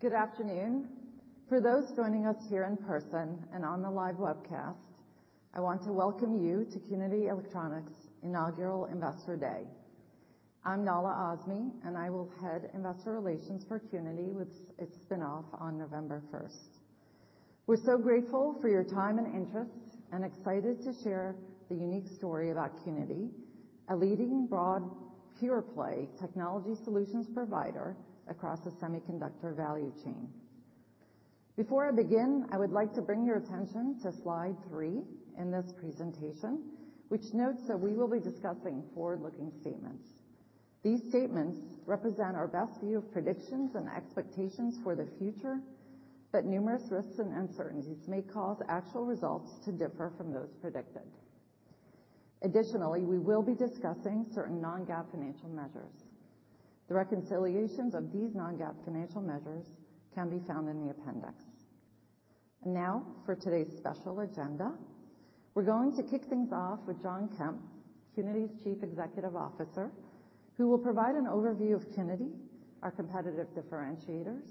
Good afternoon. For those joining us here in person and on the live webcast, I want to welcome you to Qnity Electronics' Inaugural Investor Day. I'm Nahla Azmy, and I will head investor relations for Qnity with its spin-off on November 1st. We're so grateful for your time and interest, and excited to share the unique story about Qnity: a leading broad pure-play technology solutions provider across the semiconductor value chain. Before I begin, I would like to bring your attention to Slide 3 in this presentation, which notes that we will be discussing forward-looking statements. These statements represent our best view of predictions and expectations for the future, but numerous risks and uncertainties may cause actual results to differ from those predicted. Additionally, we will be discussing certain non-GAAP financial measures. The reconciliations of these non-GAAP financial measures can be found in the appendix. Now, for today's special agenda, we're going to kick things off with Jon Kemp, Qnity's Chief Executive Officer, who will provide an overview of Qnity: our competitive differentiators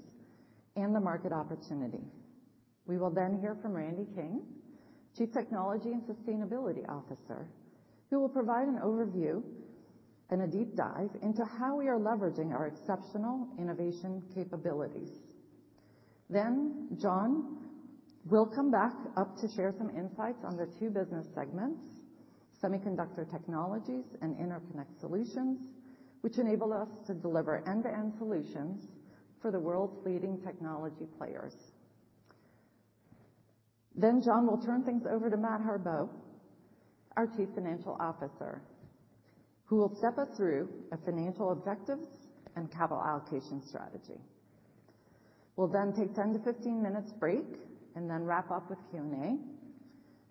and the market opportunity. We will then hear from Randy King, Chief Technology and Sustainability Officer, who will provide an overview and a deep dive into how we are leveraging our exceptional innovation capabilities. Jon will come back up to share some insights on the two business segments: Semiconductor Technologies and Interconnect Solutions, which enable us to deliver end-to-end solutions for the world's leading technology players. Jon will turn things over to Matt Harbaugh, our Chief Financial Officer, who will step us through a financial objectives and capital allocation strategy. We'll then take a 10- to 15-minute break and then wrap up with Q&A.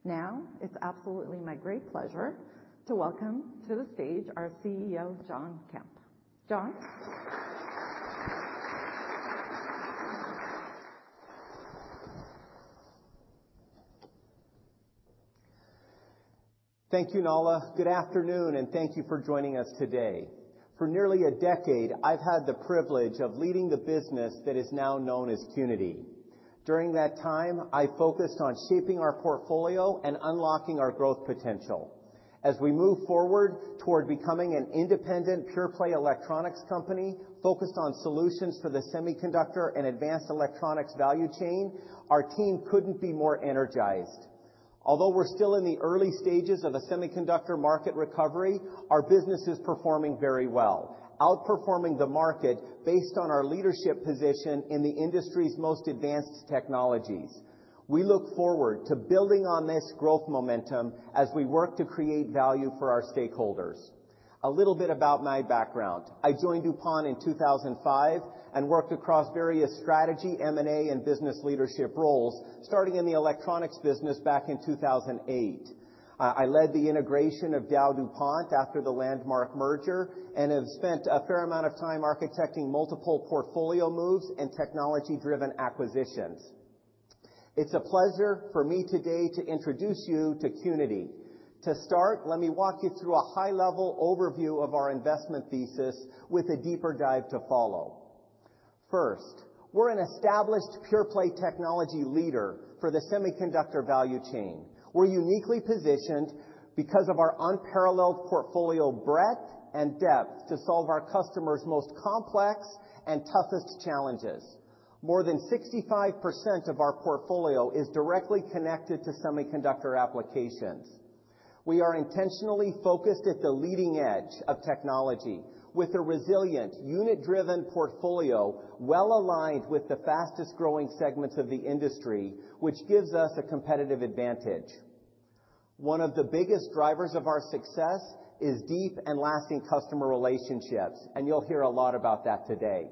Now, it's absolutely my great pleasure to welcome to the stage our CEO, Jon Kemp. Jon. Thank you, Nahla. Good afternoon, and thank you for joining us today. For nearly a decade, I've had the privilege of leading the business that is now known as Qnity. During that time, I focused on shaping our portfolio and unlocking our growth potential. As we move forward toward becoming an independent pure-play electronics company focused on solutions for the semiconductor and advanced electronics value chain, our team couldn't be more energized. Although we're still in the early stages of a semiconductor market recovery, our business is performing very well, outperforming the market based on our leadership position in the industry's most advanced technologies. We look forward to building on this growth momentum as we work to create value for our stakeholders. A little bit about my background: I joined DuPont in 2005 and worked across various strategy, M&A, and business leadership roles, starting in the electronics business back in 2008. I led the integration of DuPont after the landmark merger and have spent a fair amount of time architecting multiple portfolio moves and technology-driven acquisitions. It's a pleasure for me today to introduce you to Qnity. To start, let me walk you through a high-level overview of our investment thesis with a deeper dive to follow. First, we're an established pure-play technology leader for the semiconductor value chain. We're uniquely positioned because of our unparalleled portfolio breadth and depth to solve our customers' most complex and toughest challenges. More than 65% of our portfolio is directly connected to semiconductor applications. We are intentionally focused at the leading-edge of technology with a resilient, unit-driven portfolio well aligned with the fastest-growing segments of the industry, which gives us a competitive advantage. One of the biggest drivers of our success is deep and lasting customer relationships, and you'll hear a lot about that today.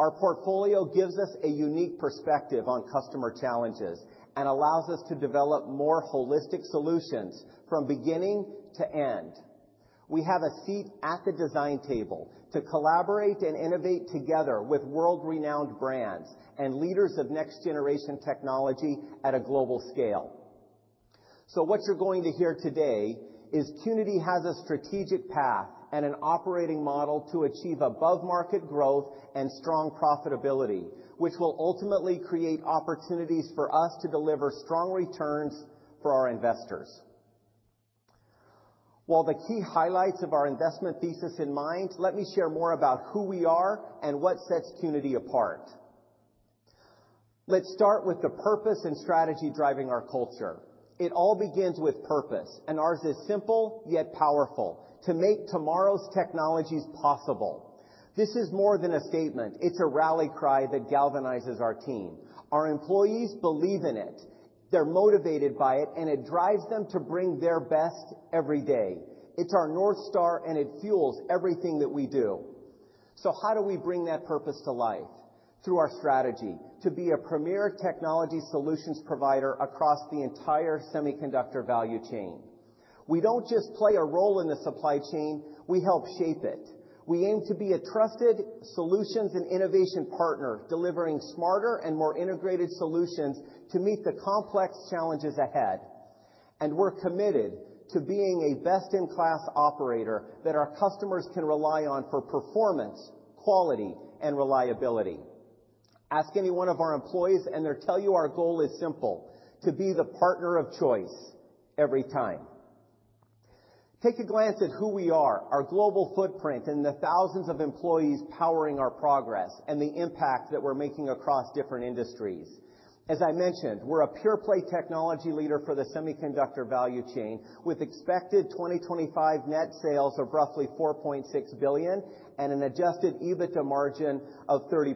Our portfolio gives us a unique perspective on customer challenges and allows us to develop more holistic solutions from beginning to end. We have a seat at the design table to collaborate and innovate together with world-renowned brands and leaders of next-generation technology at a global scale. What you're going to hear today is Qnity has a strategic path and an operating model to achieve above-market growth and strong profitability, which will ultimately create opportunities for us to deliver strong returns for our investors. While the key highlights of our investment thesis in mind, let me share more about who we are and what sets Qnity apart. Let's start with the purpose and strategy driving our culture. It all begins with purpose, and ours is simple yet powerful: to make tomorrow's technologies possible. This is more than a statement. It's a rally cry that galvanizes our team. Our employees believe in it. They're motivated by it, and it drives them to bring their best every day. It's our North Star, and it fuels everything that we do. So how do we bring that purpose to life? Through our strategy to be a premier technology solutions provider across the entire semiconductor value chain. We don't just play a role in the supply chain. We help shape it. We aim to be a trusted solutions and innovation partner, delivering smarter and more integrated solutions to meet the complex challenges ahead. And we're committed to being a best-in-class operator that our customers can rely on for performance, quality, and reliability. Ask any one of our employees, and they'll tell you our goal is simple: to be the partner of choice every time. Take a glance at who we are, our global footprint, and the thousands of employees powering our progress and the impact that we're making across different industries. As I mentioned, we're a pure-play technology leader for the semiconductor value chain, with expected 2025 net sales of roughly $4.6 billion and an Adjusted EBITDA margin of 30%.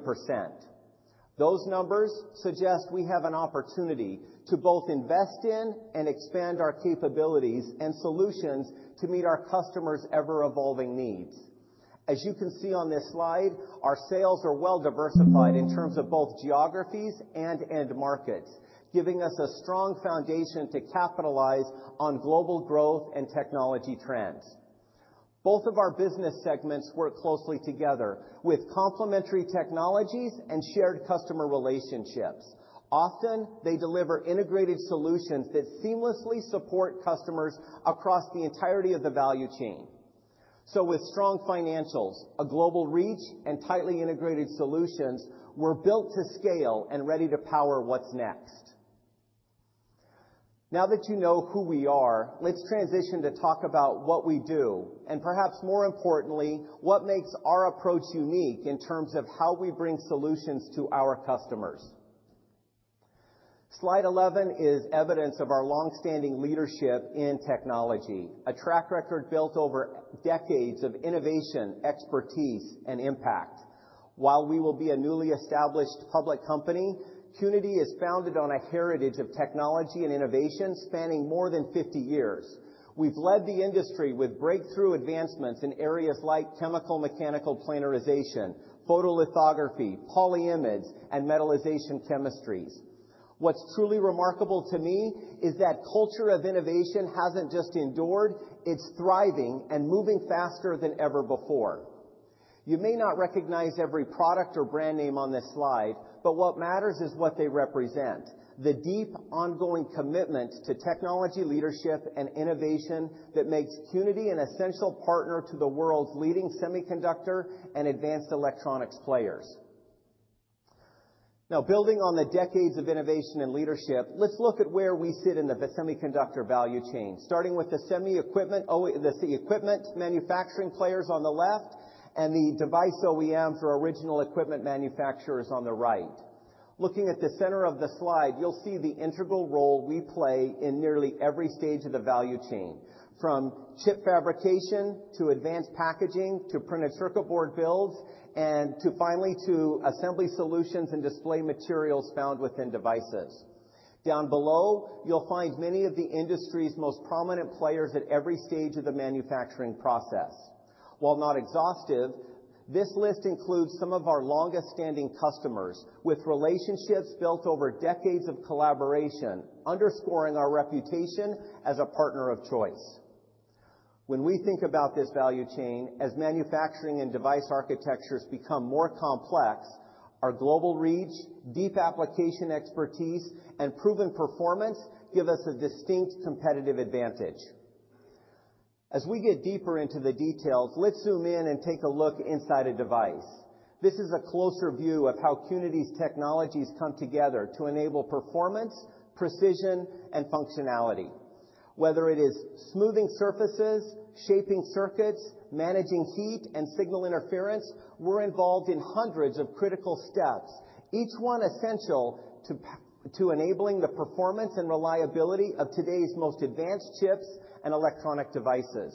Those numbers suggest we have an opportunity to both invest in and expand our capabilities and solutions to meet our customers' ever-evolving needs. As you can see on this Slide, our sales are well-diversified in terms of both geographies and end markets, giving us a strong foundation to capitalize on global growth and technology trends. Both of our business segments work closely together with complementary technologies and shared customer relationships. Often, they deliver integrated solutions that seamlessly support customers across the entirety of the value chain. So with strong financials, a global reach, and tightly integrated solutions, we're built to scale and ready to power what's next. Now that you know who we are, let's transition to talk about what we do and, perhaps more importantly, what makes our approach unique in terms of how we bring solutions to our customers. Slide 11 is evidence of our longstanding leadership in technology, a track record built over decades of innovation, expertise, and impact. While we will be a newly established public company, Qnity is founded on a heritage of technology and innovation spanning more than 50 years. We've led the industry with breakthrough advancements in areas like chemical mechanical planarization, photolithography, polyimides, and metallization chemistries. What's truly remarkable to me is that culture of innovation hasn't just endured. It's thriving and moving faster than ever before. You may not recognize every product or brand name on this Slide, but what matters is what they represent: the deep, ongoing commitment to technology leadership and innovation that makes Qnity an essential partner to the world's leading semiconductor and advanced electronics players. Now, building on the decades of innovation and leadership, let's look at where we sit in the semiconductor value chain, starting with the semi-equipment manufacturing players on the left and the device OEM, or original equipment manufacturers on the right. Looking at the center of the Slide, you'll see the integral role we play in nearly every stage of the value chain, from chip fabrication to advanced packaging to printed circuit board builds and finally to assembly solutions and display materials found within devices. Down below, you'll find many of the industry's most prominent players at every stage of the manufacturing process. While not exhaustive, this list includes some of our longest-standing customers with relationships built over decades of collaboration, underscoring our reputation as a partner of choice. When we think about this value chain, as manufacturing and device architectures become more complex, our global reach, deep application expertise, and proven performance give us a distinct competitive advantage. As we get deeper into the details, let's zoom in and take a look inside a device. This is a closer view of how Qnity's technologies come together to enable performance, precision, and functionality. Whether it is smoothing surfaces, shaping circuits, managing heat, and signal interference, we're involved in hundreds of critical steps, each one essential to enabling the performance and reliability of today's most advanced chips and electronic devices.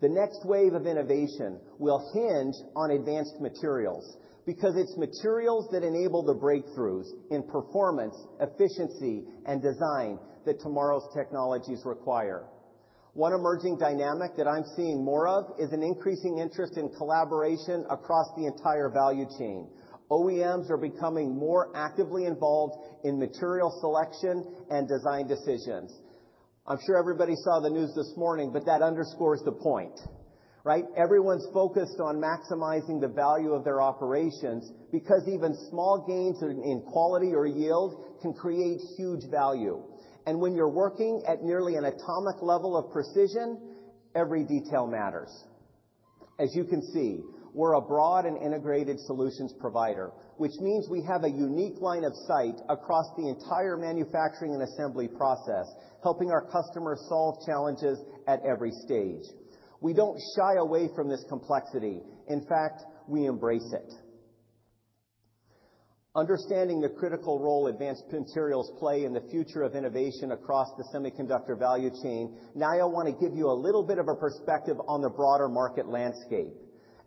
The next wave of innovation will hinge on advanced materials because it's materials that enable the breakthroughs in performance, efficiency, and design that tomorrow's technologies require. One emerging dynamic that I'm seeing more of is an increasing interest in collaboration across the entire value chain. OEMs are becoming more actively involved in material selection and design decisions. I'm sure everybody saw the news this morning, but that underscores the point, right? Everyone's focused on maximizing the value of their operations because even small gains in quality or yield can create huge value. When you're working at nearly an atomic level of precision, every detail matters. As you can see, we're a broad and integrated solutions provider, which means we have a unique line of sight across the entire manufacturing and assembly process, helping our customers solve challenges at every stage. We don't shy away from this complexity. In fact, we embrace it. Understanding the critical role advanced materials play in the future of innovation across the semiconductor value chain, now I want to give you a little bit of a perspective on the broader market landscape.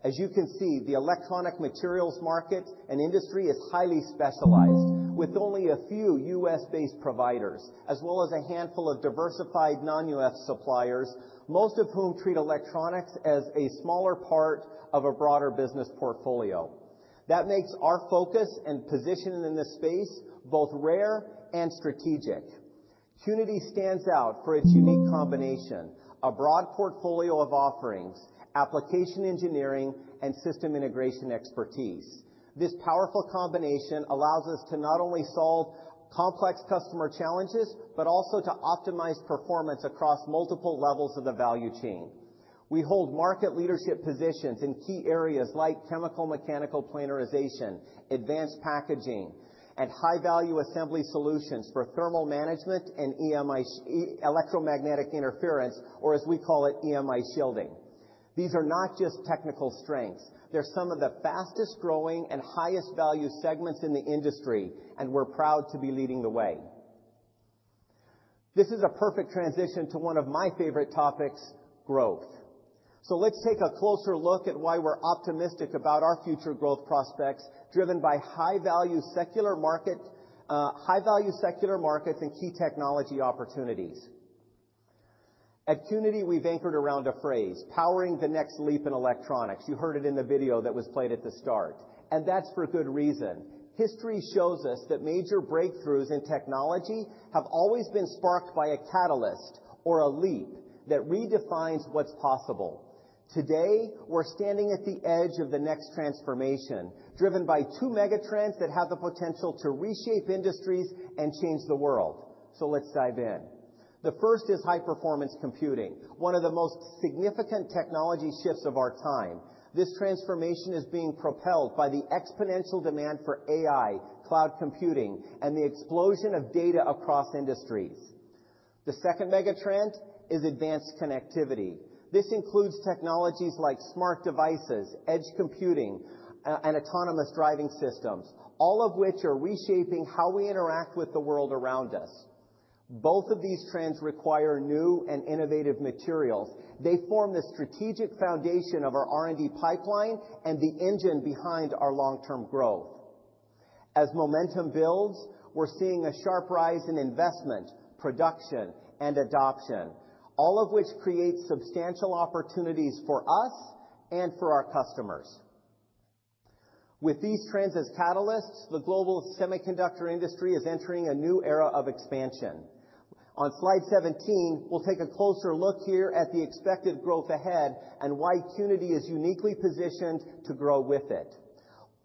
As you can see, the electronic materials market and industry is highly specialized, with only a few U.S.-based providers, as well as a handful of diversified non-U.S. suppliers, most of whom treat electronics as a smaller part of a broader business portfolio. That makes our focus and position in this space both rare and strategic. Qnity stands out for its unique combination: a broad portfolio of offerings, application engineering, and system integration expertise. This powerful combination allows us to not only solve complex customer challenges but also to optimize performance across multiple levels of the value chain. We hold market leadership positions in key areas like chemical mechanical planarization, advanced packaging, and high-value assembly solutions for thermal management and electromagnetic interference, or as we call it, EMI shielding. These are not just technical strengths. They're some of the fastest-growing and highest-value segments in the industry, and we're proud to be leading the way. This is a perfect transition to one of my favorite topics, growth. So let's take a closer look at why we're optimistic about our future growth prospects driven by high-value secular markets and key technology opportunities. At Qnity, we've anchored around a phrase: "Powering the next leap in electronics." You heard it in the video that was played at the start, and that's for good reason. History shows us that major breakthroughs in technology have always been sparked by a catalyst or a leap that redefines what's possible. Today, we're standing at the edge of the next transformation, driven by two megatrends that have the potential to reshape industries and change the world. So let's dive in. The first is high-performance computing, one of the most significant technology shifts of our time. This transformation is being propelled by the exponential demand for AI, cloud computing, and the explosion of data across industries. The second megatrend is advanced connectivity. This includes technologies like smart devices, edge computing, and autonomous driving systems, all of which are reshaping how we interact with the world around us. Both of these trends require new and innovative materials. They form the strategic foundation of our R&D pipeline and the engine behind our long-term growth. As momentum builds, we're seeing a sharp rise in investment, production, and adoption, all of which creates substantial opportunities for us and for our customers. With these trends as catalysts, the global semiconductor industry is entering a new era of expansion. On Slide 17, we'll take a closer look here at the expected growth ahead and why Qnity is uniquely positioned to grow with it.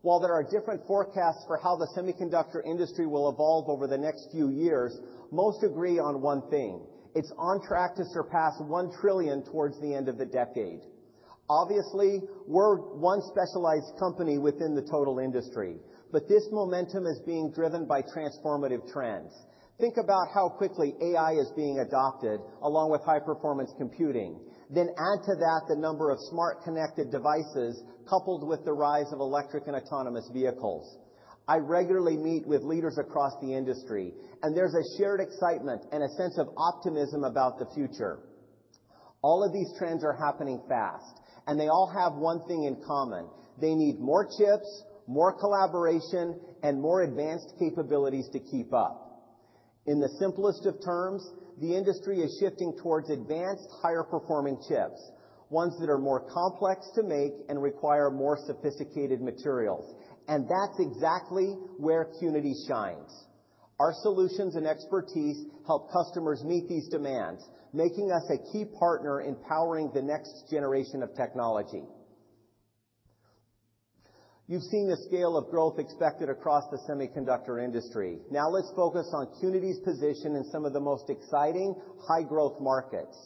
While there are different forecasts for how the semiconductor industry will evolve over the next few years, most agree on one thing: it's on track to surpass $1 trillion towards the end of the decade. Obviously, we're one specialized company within the total industry, but this momentum is being driven by transformative trends. Think about how quickly AI is being adopted along with high-performance computing. Then add to that the number of smart connected devices coupled with the rise of electric and autonomous vehicles. I regularly meet with leaders across the industry, and there's a shared excitement and a sense of optimism about the future. All of these trends are happening fast, and they all have one thing in common: they need more chips, more collaboration, and more advanced capabilities to keep up. In the simplest of terms, the industry is shifting towards advanced, higher-performing chips, ones that are more complex to make and require more sophisticated materials. And that's exactly where Qnity shines. Our solutions and expertise help customers meet these demands, making us a key partner in powering the next generation of technology. You've seen the scale of growth expected across the semiconductor industry. Now let's focus on Qnity's position in some of the most exciting high-growth markets.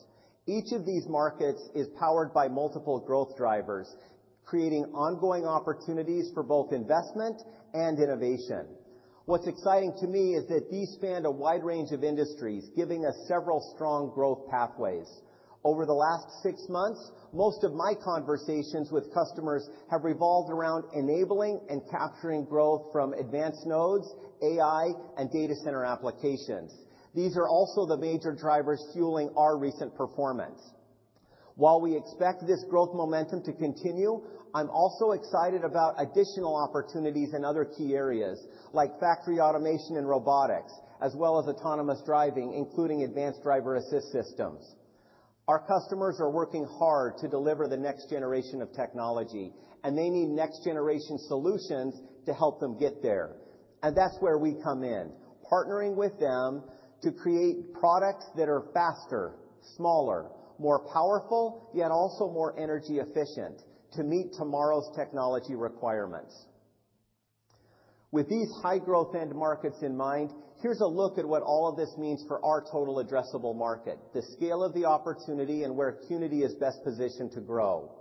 Each of these markets is powered by multiple growth drivers, creating ongoing opportunities for both investment and innovation. What's exciting to me is that these span a wide range of industries, giving us several strong growth pathways. Over the last six months, most of my conversations with customers have revolved around enabling and capturing growth from advanced nodes, AI, and data center applications. These are also the major drivers fueling our recent performance. While we expect this growth momentum to continue, I'm also excited about additional opportunities in other key areas like factory automation and robotics, as well as autonomous driving, including Advanced Driver Assistance Systems. Our customers are working hard to deliver the next generation of technology, and they need next-generation solutions to help them get there. And that's where we come in, partnering with them to create products that are faster, smaller, more powerful, yet also more energy-efficient to meet tomorrow's technology requirements. With these high-growth end markets in mind, here's a look at what all of this means for our total addressable market, the scale of the opportunity, and where Qnity is best positioned to grow.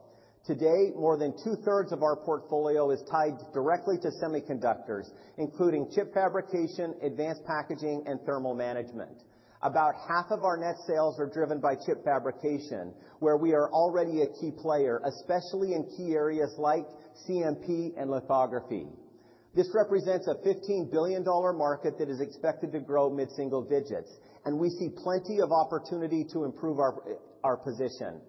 Today, more than 2/3 of our portfolio is tied directly to semiconductors, including chip fabrication, advanced packaging, and thermal management. About half of our net sales are driven by chip fabrication, where we are already a key player, especially in key areas like CMP and lithography. This represents a $15 billion market that is expected to grow mid-single digits, and we see plenty of opportunity to improve our position.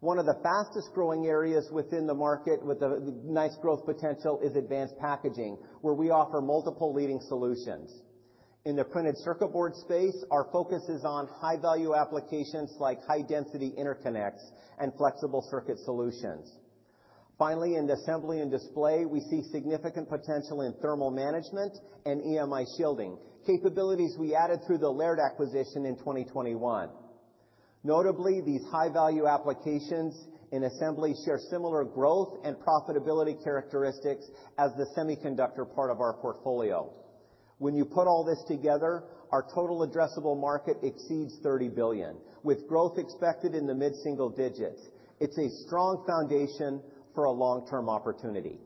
One of the fastest-growing areas within the market with a nice growth potential is advanced packaging, where we offer multiple leading solutions. In the printed circuit board space, our focus is on high-value applications like high-density interconnects and flexible circuit solutions. Finally, in assembly and display, we see significant potential in thermal management and EMI shielding, capabilities we added through the Laird acquisition in 2021. Notably, these high-value applications in assembly share similar growth and profitability characteristics as the semiconductor part of our portfolio. When you put all this together, our total addressable market exceeds $30 billion, with growth expected in the mid-single digits. It's a strong foundation for a long-term opportunity.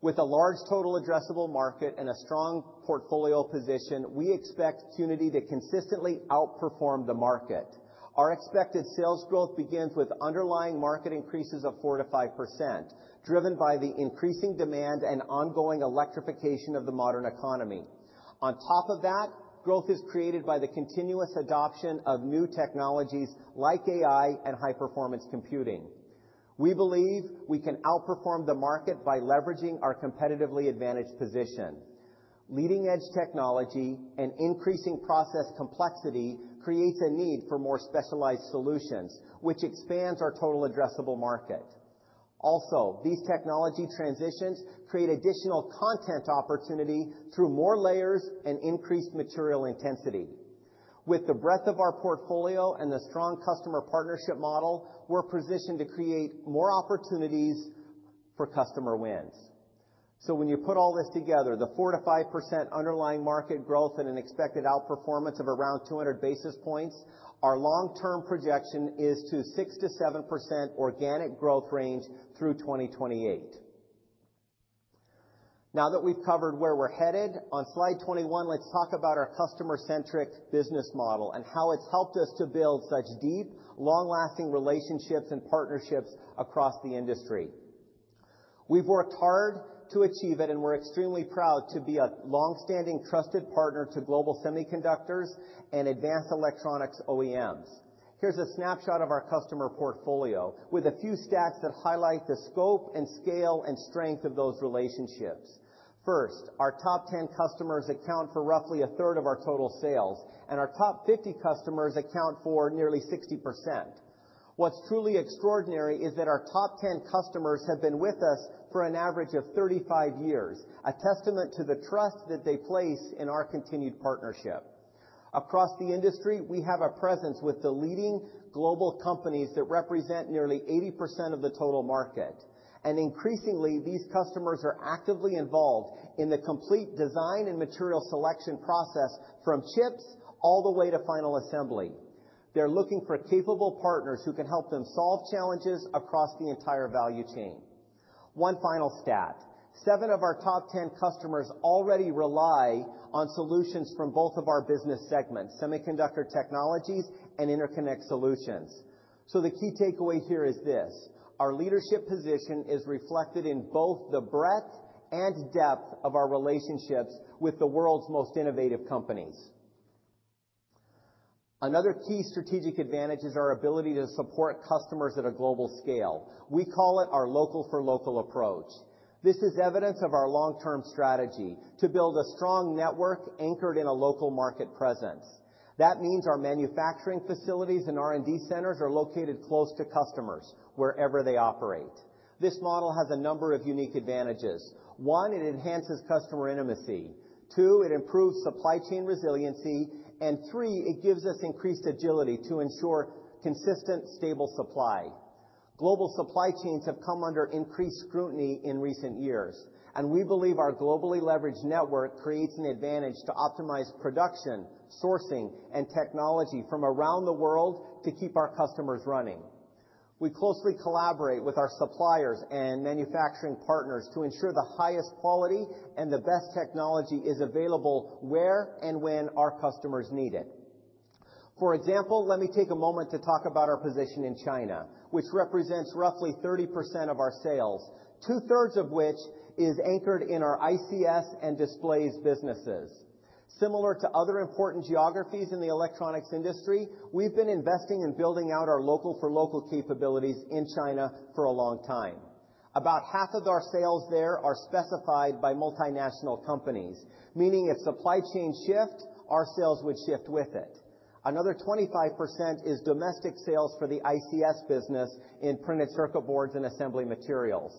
With a large total addressable market and a strong portfolio position, we expect Qnity to consistently outperform the market. Our expected sales growth begins with underlying market increases of 4%-5%, driven by the increasing demand and ongoing electrification of the modern economy. On top of that, growth is created by the continuous adoption of new technologies like AI and high-performance computing. We believe we can outperform the market by leveraging our competitively advantaged position. Leading-edge technology and increasing process complexity creates a need for more specialized solutions, which expands our total addressable market. Also, these technology transitions create additional content opportunity through more layers and increased material intensity. With the breadth of our portfolio and the strong customer partnership model, we're positioned to create more opportunities for customer wins. So when you put all this together, the 4%-5% underlying market growth and an expected outperformance of around 200 basis points, our long-term projection is to 6%-7% organic growth range through 2028. Now that we've covered where we're headed, on Slide 21, let's talk about our customer-centric business model and how it's helped us to build such deep, long-lasting relationships and partnerships across the industry. We've worked hard to achieve it, and we're extremely proud to be a longstanding, trusted partner to global semiconductors and advanced electronics OEMs. Here's a snapshot of our customer portfolio with a few stats that highlight the scope and scale and strength of those relationships. First, our top 10 customers account for roughly a third of our total sales, and our top 50 customers account for nearly 60%. What's truly extraordinary is that our top 10 customers have been with us for an average of 35 years, a testament to the trust that they place in our continued partnership. Across the industry, we have a presence with the leading global companies that represent nearly 80% of the total market. And increasingly, these customers are actively involved in the complete design and material selection process from chips all the way to final assembly. They're looking for capable partners who can help them solve challenges across the entire value chain. One final stat: seven of our top 10 customers already rely on solutions from both of our business segments, Semiconductor Technologies and Interconnect Solutions. So the key takeaway here is this: our leadership position is reflected in both the breadth and depth of our relationships with the world's most innovative companies. Another key strategic advantage is our ability to support customers at a global scale. We call it our local-for-local approach. This is evidence of our long-term strategy to build a strong network anchored in a local market presence. That means our manufacturing facilities and R&D centers are located close to customers, wherever they operate. This model has a number of unique advantages. One, it enhances customer intimacy. Two, it improves supply chain resiliency. And three, it gives us increased agility to ensure consistent, stable supply. Global supply chains have come under increased scrutiny in recent years, and we believe our globally leveraged network creates an advantage to optimize production, sourcing, and technology from around the world to keep our customers running. We closely collaborate with our suppliers and manufacturing partners to ensure the highest quality and the best technology is available where and when our customers need it. For example, let me take a moment to talk about our position in China, which represents roughly 30% of our sales, two-thirds of which is anchored in our ICS and displays businesses. Similar to other important geographies in the electronics industry, we've been investing in building out our local-for-local capabilities in China for a long time. About half of our sales there are specified by multinational companies, meaning if supply chains shift, our sales would shift with it. Another 25% is domestic sales for the ICS business in printed circuit boards and assembly materials.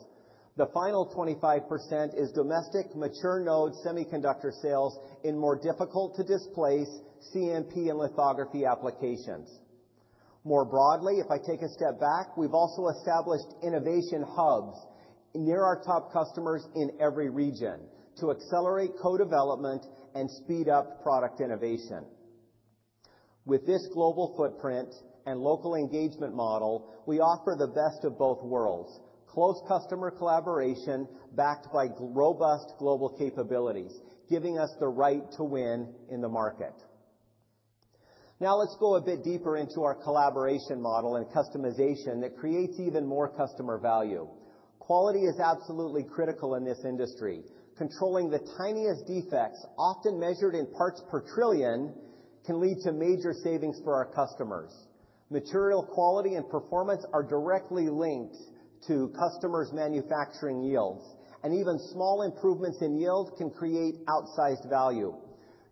The final 25% is domestic mature node semiconductor sales in more difficult-to-displace CMP and lithography applications. More broadly, if I take a step back, we've also established innovation hubs near our top customers in every region to accelerate co-development and speed up product innovation. With this global footprint and local engagement model, we offer the best of both worlds: close customer collaboration backed by robust global capabilities, giving us the right to win in the market. Now let's go a bit deeper into our collaboration model and customization that creates even more customer value. Quality is absolutely critical in this industry. Controlling the tiniest defects, often measured in parts per trillion, can lead to major savings for our customers. Material quality and performance are directly linked to customers' manufacturing yields, and even small improvements in yield can create outsized value.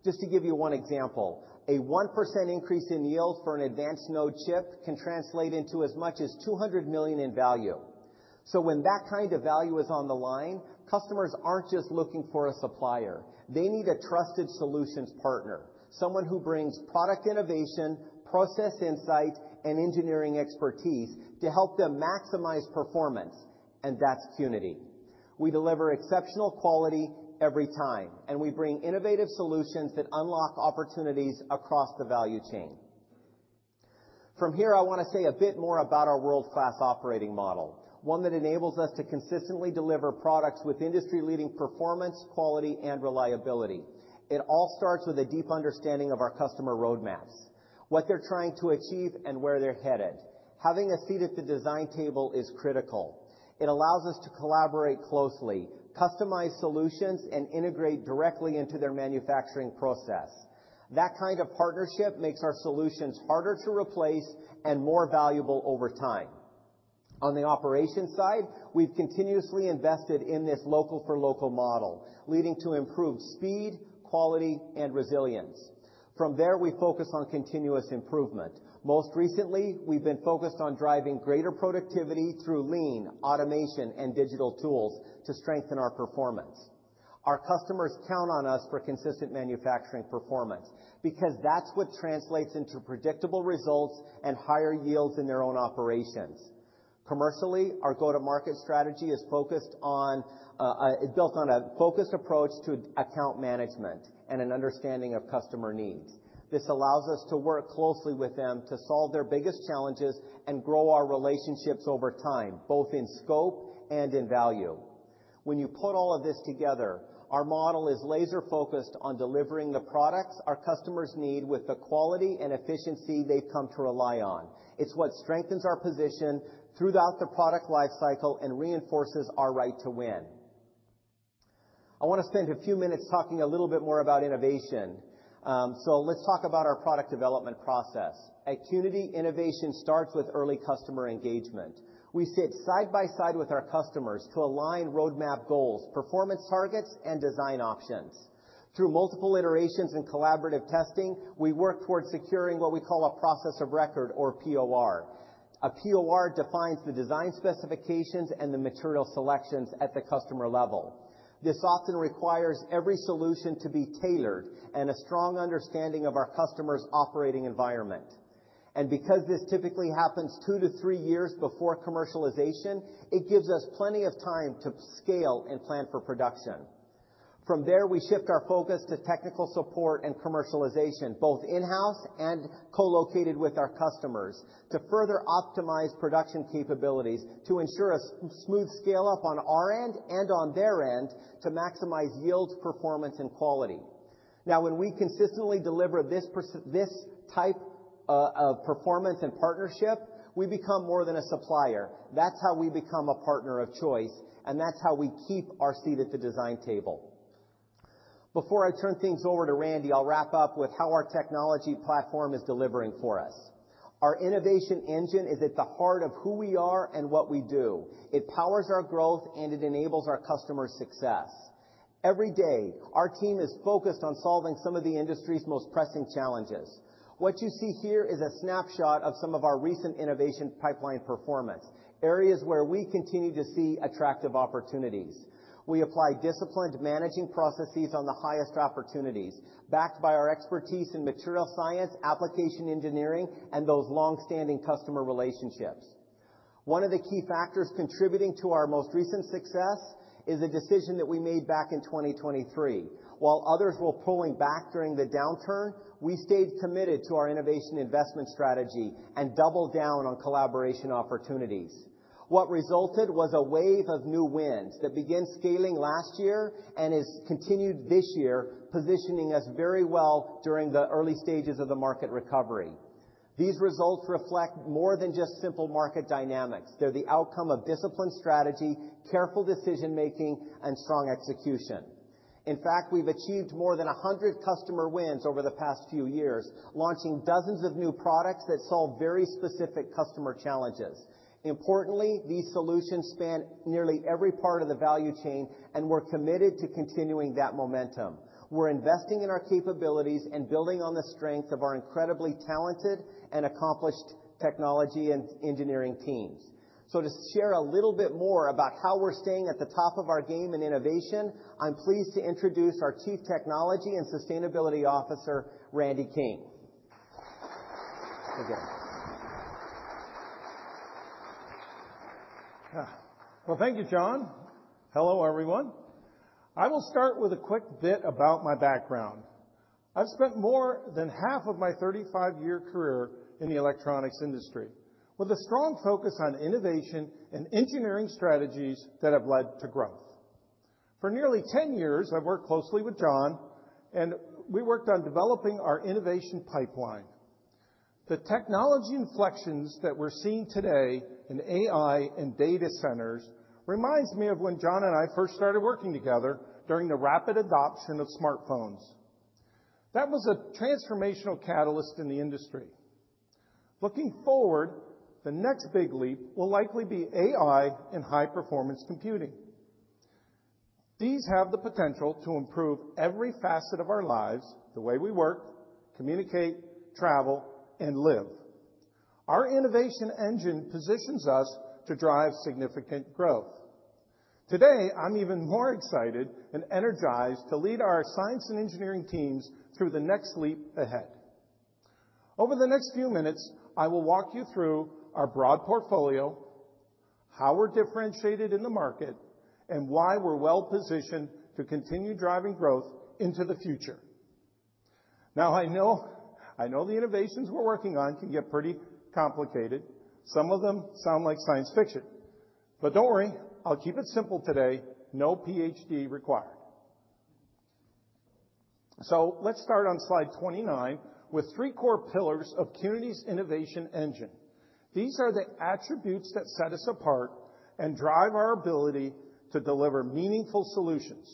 Just to give you one example, a 1% increase in yield for an advanced node chip can translate into as much as $200 million in value. So when that kind of value is on the line, customers aren't just looking for a supplier. They need a trusted solutions partner, someone who brings product innovation, process insight, and engineering expertise to help them maximize performance, and that's Qnity. We deliver exceptional quality every time, and we bring innovative solutions that unlock opportunities across the value chain. From here, I want to say a bit more about our world-class operating model, one that enables us to consistently deliver products with industry-leading performance, quality, and reliability. It all starts with a deep understanding of our customer roadmaps, what they're trying to achieve, and where they're headed. Having a seat at the design table is critical. It allows us to collaborate closely, customize solutions, and integrate directly into their manufacturing process. That kind of partnership makes our solutions harder to replace and more valuable over time. On the operations side, we've continuously invested in this local-for-local model, leading to improved speed, quality, and resilience. From there, we focus on continuous improvement. Most recently, we've been focused on driving greater productivity through lean automation and digital tools to strengthen our performance. Our customers count on us for consistent manufacturing performance because that's what translates into predictable results and higher yields in their own operations. Commercially, our go-to-market strategy is focused on, built on a focused approach to account management and an understanding of customer needs. This allows us to work closely with them to solve their biggest challenges and grow our relationships over time, both in scope and in value. When you put all of this together, our model is laser-focused on delivering the products our customers need with the quality and efficiency they've come to rely on. It's what strengthens our position throughout the product lifecycle and reinforces our right to win. I want to spend a few minutes talking a little bit more about innovation. So let's talk about our product development process. At Qnity, innovation starts with early customer engagement. We sit side by side with our customers to align roadmap goals, performance targets, and design options. Through multiple iterations and collaborative testing, we work towards securing what we call a process of record, or POR. A POR defines the design specifications and the material selections at the customer level. This often requires every solution to be tailored and a strong understanding of our customer's operating environment, and because this typically happens two to three years before commercialization, it gives us plenty of time to scale and plan for production. From there, we shift our focus to technical support and commercialization, both in-house and co-located with our customers, to further optimize production capabilities to ensure a smooth scale-up on our end and on their end to maximize yields, performance, and quality. Now, when we consistently deliver this type of performance and partnership, we become more than a supplier. That's how we become a partner of choice, and that's how we keep our seat at the design table. Before I turn things over to Randy, I'll wrap up with how our technology platform is delivering for us. Our innovation engine is at the heart of who we are and what we do. It powers our growth, and it enables our customers' success. Every day, our team is focused on solving some of the industry's most pressing challenges. What you see here is a snapshot of some of our recent innovation pipeline performance, areas where we continue to see attractive opportunities. We apply disciplined managing processes on the highest opportunities, backed by our expertise in material science, application engineering, and those long-standing customer relationships. One of the key factors contributing to our most recent success is a decision that we made back in 2023. While others were pulling back during the downturn, we stayed committed to our innovation investment strategy and doubled down on collaboration opportunities. What resulted was a wave of new wins that began scaling last year and has continued this year, positioning us very well during the early stages of the market recovery. These results reflect more than just simple market dynamics. They're the outcome of disciplined strategy, careful decision-making, and strong execution. In fact, we've achieved more than 100 customer wins over the past few years, launching dozens of new products that solve very specific customer challenges. Importantly, these solutions span nearly every part of the value chain, and we're committed to continuing that momentum. We're investing in our capabilities and building on the strength of our incredibly talented and accomplished technology and engineering teams. So to share a little bit more about how we're staying at the top of our game in innovation, I'm pleased to introduce our Chief Technology and Sustainability Officer, Randy King. Well, thank you, Jon. Hello, everyone. I will start with a quick bit about my background. I've spent more than half of my 35-year career in the electronics industry with a strong focus on innovation and engineering strategies that have led to growth. For nearly 10 years, I've worked closely with Jon, and we worked on developing our innovation pipeline. The technology inflections that we're seeing today in AI and data centers remind me of when Jon and I first started working together during the rapid adoption of smartphones. That was a transformational catalyst in the industry. Looking forward, the next big leap will likely be AI and high-performance computing. These have the potential to improve every facet of our lives, the way we work, communicate, travel, and live. Our innovation engine positions us to drive significant growth. Today, I'm even more excited and energized to lead our science and engineering teams through the next leap ahead. Over the next few minutes, I will walk you through our broad portfolio, how we're differentiated in the market, and why we're well-positioned to continue driving growth into the future. Now, I know the innovations we're working on can get pretty complicated. Some of them sound like science fiction, but don't worry, I'll keep it simple today. No PhD required, so let's start on Slide 29 with three core pillars of Qnity's innovation engine. These are the attributes that set us apart and drive our ability to deliver meaningful solutions.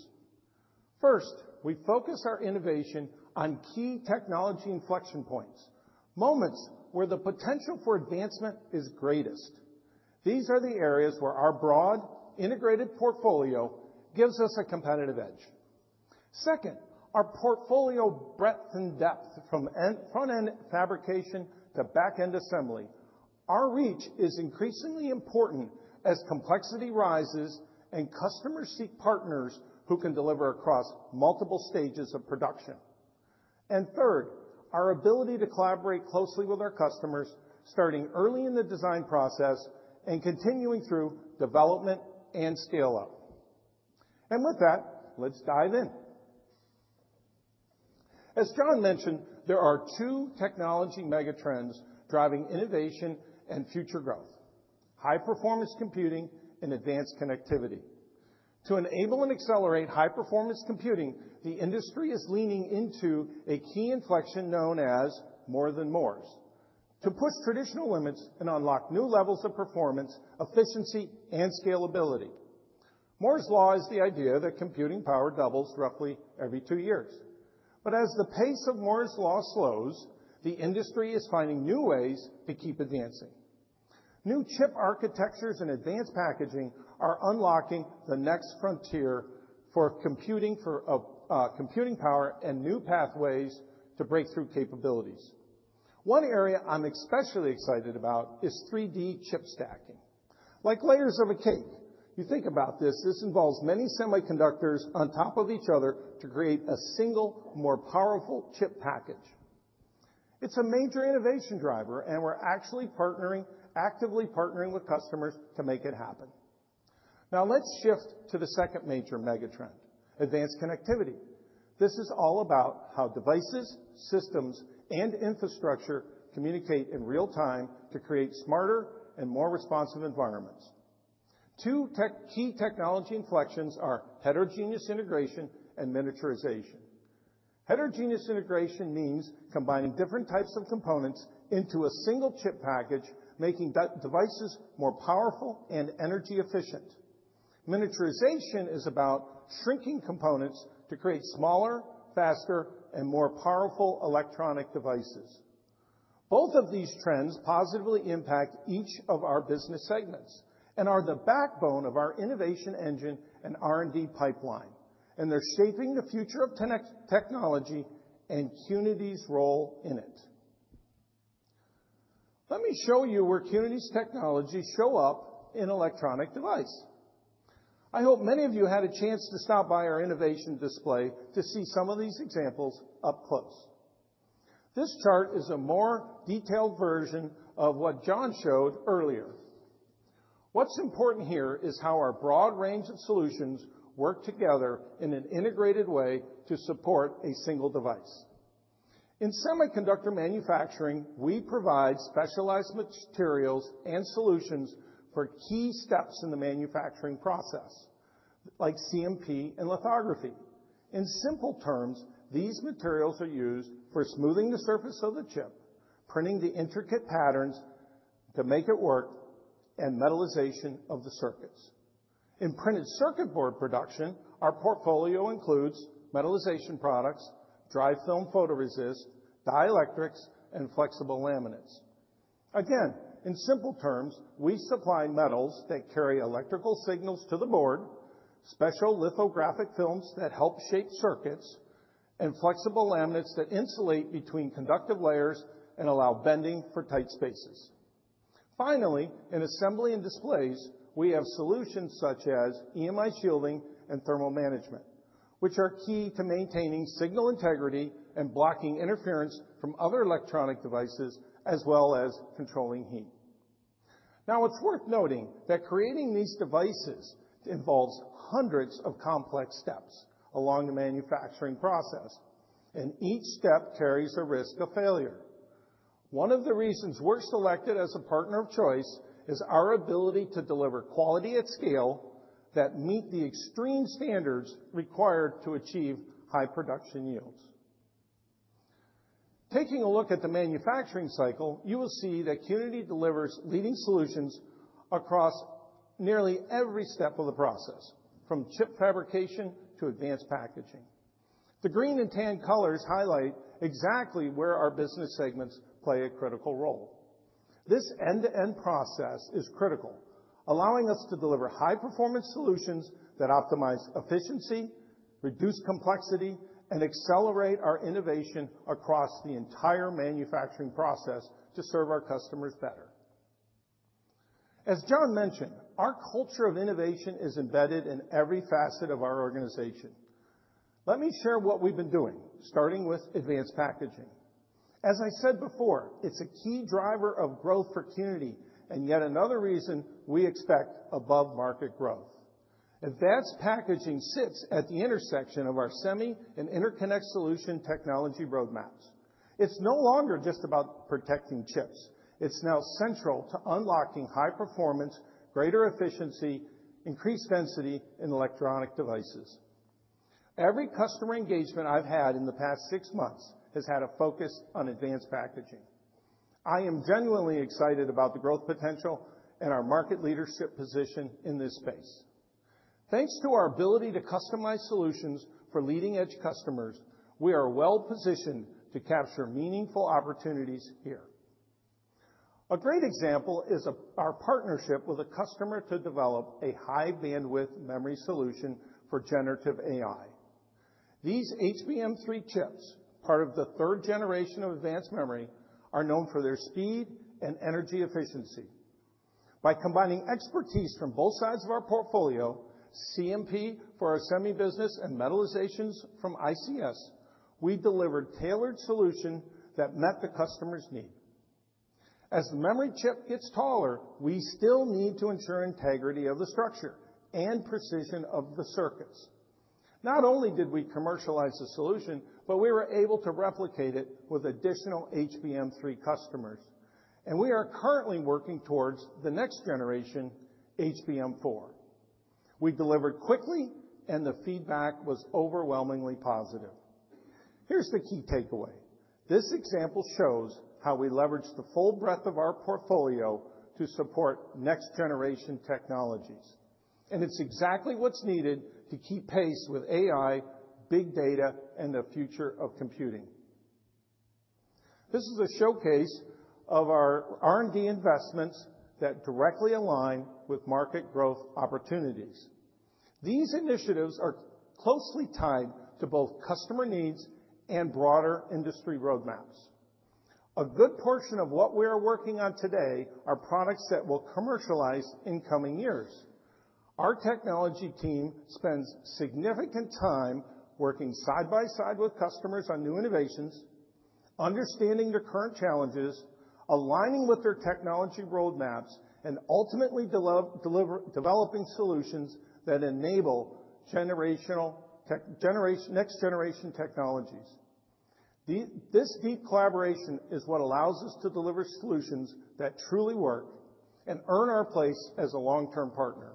First, we focus our innovation on key technology inflection points, moments where the potential for advancement is greatest. These are the areas where our broad, integrated portfolio gives us a competitive edge. Second, our portfolio breadth and depth, from front-end fabrication to back-end assembly, our reach is increasingly important as complexity rises and customers seek partners who can deliver across multiple stages of production, and third, our ability to collaborate closely with our customers, starting early in the design process and continuing through development and scale-up. With that, let's dive in. As Jon mentioned, there are two technology megatrends driving innovation and future growth: high-performance computing and advanced connectivity. To enable and accelerate high-performance computing, the industry is leaning into a key inflection known as More-than-Moore, to push traditional limits and unlock new levels of performance, efficiency, and scalability. Moore's Law is the idea that computing power doubles roughly every two years. But as the pace of Moore's Law slows, the industry is finding new ways to keep advancing. New chip architectures and advanced packaging are unlocking the next frontier for computing power and new pathways to breakthrough capabilities. One area I'm especially excited about is 3D chip stacking. Like layers of a cake, you think about this. This involves many semiconductors on top of each other to create a single, more powerful chip package. It's a major innovation driver, and we're actually actively partnering with customers to make it happen. Now, let's shift to the second major megatrend: advanced connectivity. This is all about how devices, systems, and infrastructure communicate in real time to create smarter and more responsive environments. Two key technology inflections are heterogeneous integration and miniaturization. Heterogeneous integration means combining different types of components into a single chip package, making devices more powerful and energy efficient. Miniaturization is about shrinking components to create smaller, faster, and more powerful electronic devices. Both of these trends positively impact each of our business segments and are the backbone of our innovation engine and R&D pipeline, and they're shaping the future of technology and Qnity's role in it. Let me show you where Qnity's technology show up in electronic device. I hope many of you had a chance to stop by our innovation display to see some of these examples up close. This chart is a more detailed version of what Jon showed earlier. What's important here is how our broad range of solutions work together in an integrated way to support a single device. In semiconductor manufacturing, we provide specialized materials and solutions for key steps in the manufacturing process, like CMP and lithography. In simple terms, these materials are used for smoothing the surface of the chip, printing the intricate patterns to make it work, and metallization of the circuits. In printed circuit board production, our portfolio includes metallization products, dry film photoresists, dielectrics, and flexible laminates. Again, in simple terms, we supply metals that carry electrical signals to the board, special lithographic films that help shape circuits, and flexible laminates that insulate between conductive layers and allow bending for tight spaces. Finally, in assembly and displays, we have solutions such as EMI shielding and thermal management, which are key to maintaining signal integrity and blocking interference from other electronic devices, as well as controlling heat. Now, it's worth noting that creating these devices involves hundreds of complex steps along the manufacturing process, and each step carries a risk of failure. One of the reasons we're selected as a partner of choice is our ability to deliver quality at scale that meets the extreme standards required to achieve high production yields. Taking a look at the manufacturing cycle, you will see that Qnity delivers leading solutions across nearly every step of the process, from chip fabrication to advanced packaging. The green and tan colors highlight exactly where our business segments play a critical role. This end-to-end process is critical, allowing us to deliver high-performance solutions that optimize efficiency, reduce complexity, and accelerate our innovation across the entire manufacturing process to serve our customers better. As Jon mentioned, our culture of innovation is embedded in every facet of our organization. Let me share what we've been doing, starting with advanced packaging. As I said before, it's a key driver of growth for Qnity and yet another reason we expect above-market growth. Advanced packaging sits at the intersection of our semi and interconnect solution technology roadmaps. It's no longer just about protecting chips. It's now central to unlocking high performance, greater efficiency, and increased density in electronic devices. Every customer engagement I've had in the past six months has had a focus on advanced packaging. I am genuinely excited about the growth potential and our market leadership position in this space. Thanks to our ability to customize solutions for leading-edge customers, we are well-positioned to capture meaningful opportunities here. A great example is our partnership with a customer to develop a High Bandwidth Memory solution for generative AI. These HBM3 chips, part of the third generation of advanced memory, are known for their speed and energy efficiency. By combining expertise from both sides of our portfolio, CMP for our semi business and metallizations from ICS, we delivered a tailored solution that met the customer's need. As the memory chip gets taller, we still need to ensure integrity of the structure and precision of the circuits. Not only did we commercialize the solution, but we were able to replicate it with additional HBM3 customers, and we are currently working towards the next generation HBM4. We delivered quickly, and the feedback was overwhelmingly positive. Here's the key takeaway. This example shows how we leverage the full breadth of our portfolio to support next-generation technologies, and it's exactly what's needed to keep pace with AI, big data, and the future of computing. This is a showcase of our R&D investments that directly align with market growth opportunities. These initiatives are closely tied to both customer needs and broader industry roadmaps. A good portion of what we are working on today are products that will commercialize in coming years. Our technology team spends significant time working side by side with customers on new innovations, understanding their current challenges, aligning with their technology roadmaps, and ultimately developing solutions that enable next-generation technologies. This deep collaboration is what allows us to deliver solutions that truly work and earn our place as a long-term partner.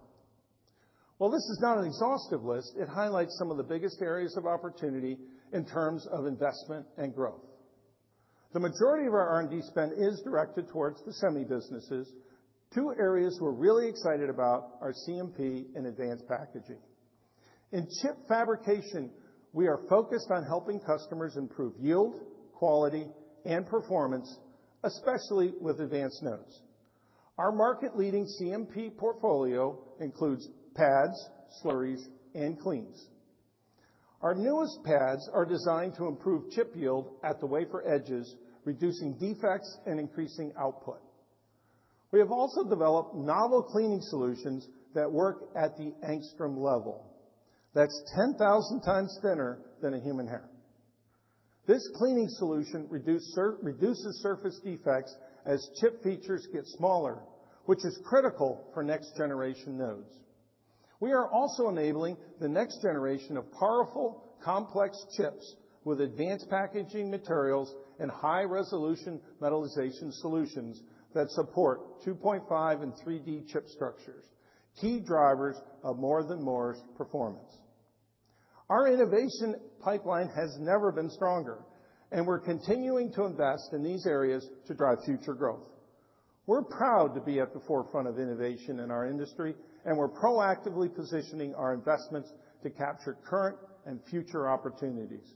This is not an exhaustive list. It highlights some of the biggest areas of opportunity in terms of investment and growth. The majority of our R&D spend is directed towards the semi businesses. Two areas we're really excited about are CMP and advanced packaging. In chip fabrication, we are focused on helping customers improve yield, quality, and performance, especially with advanced nodes. Our market-leading CMP portfolio includes pads, slurries, and cleans. Our newest pads are designed to improve chip yield at the wafer edges, reducing defects and increasing output. We have also developed novel cleaning solutions that work at the angstrom level. That's 10,000 times thinner than a human hair. This cleaning solution reduces surface defects as chip features get smaller, which is critical for next-generation nodes. We are also enabling the next generation of powerful, complex chips with advanced packaging materials and high-resolution metallization solutions that support 2.5D and 3D chip structures, key drivers of More-than-Moore's performance. Our innovation pipeline has never been stronger, and we're continuing to invest in these areas to drive future growth. We're proud to be at the forefront of innovation in our industry, and we're proactively positioning our investments to capture current and future opportunities.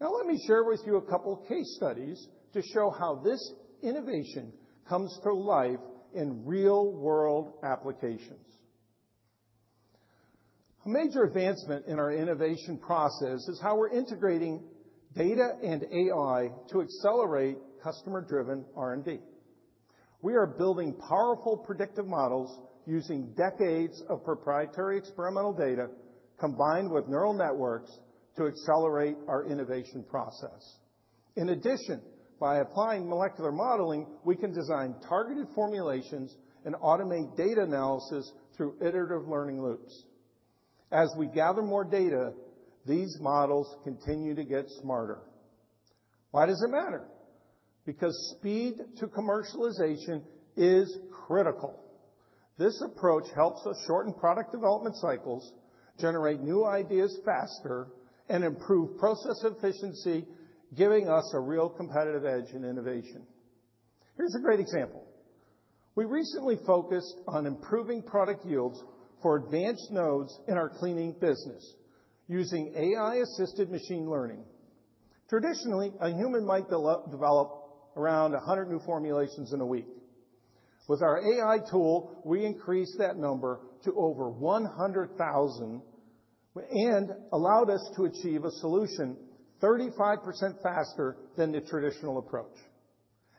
Now, let me share with you a couple of case studies to show how this innovation comes to life in real-world applications. A major advancement in our innovation process is how we're integrating data and AI to accelerate customer-driven R&D. We are building powerful predictive models using decades of proprietary experimental data combined with neural networks to accelerate our innovation process. In addition, by applying molecular modeling, we can design targeted formulations and automate data analysis through iterative learning loops. As we gather more data, these models continue to get smarter. Why does it matter? Because speed to commercialization is critical. This approach helps us shorten product development cycles, generate new ideas faster, and improve process efficiency, giving us a real competitive edge in innovation. Here's a great example. We recently focused on improving product yields for advanced nodes in our cleaning business using AI-assisted machine learning. Traditionally, a human might develop around 100 new formulations in a week. With our AI tool, we increased that number to over 100,000 and allowed us to achieve a solution 35% faster than the traditional approach,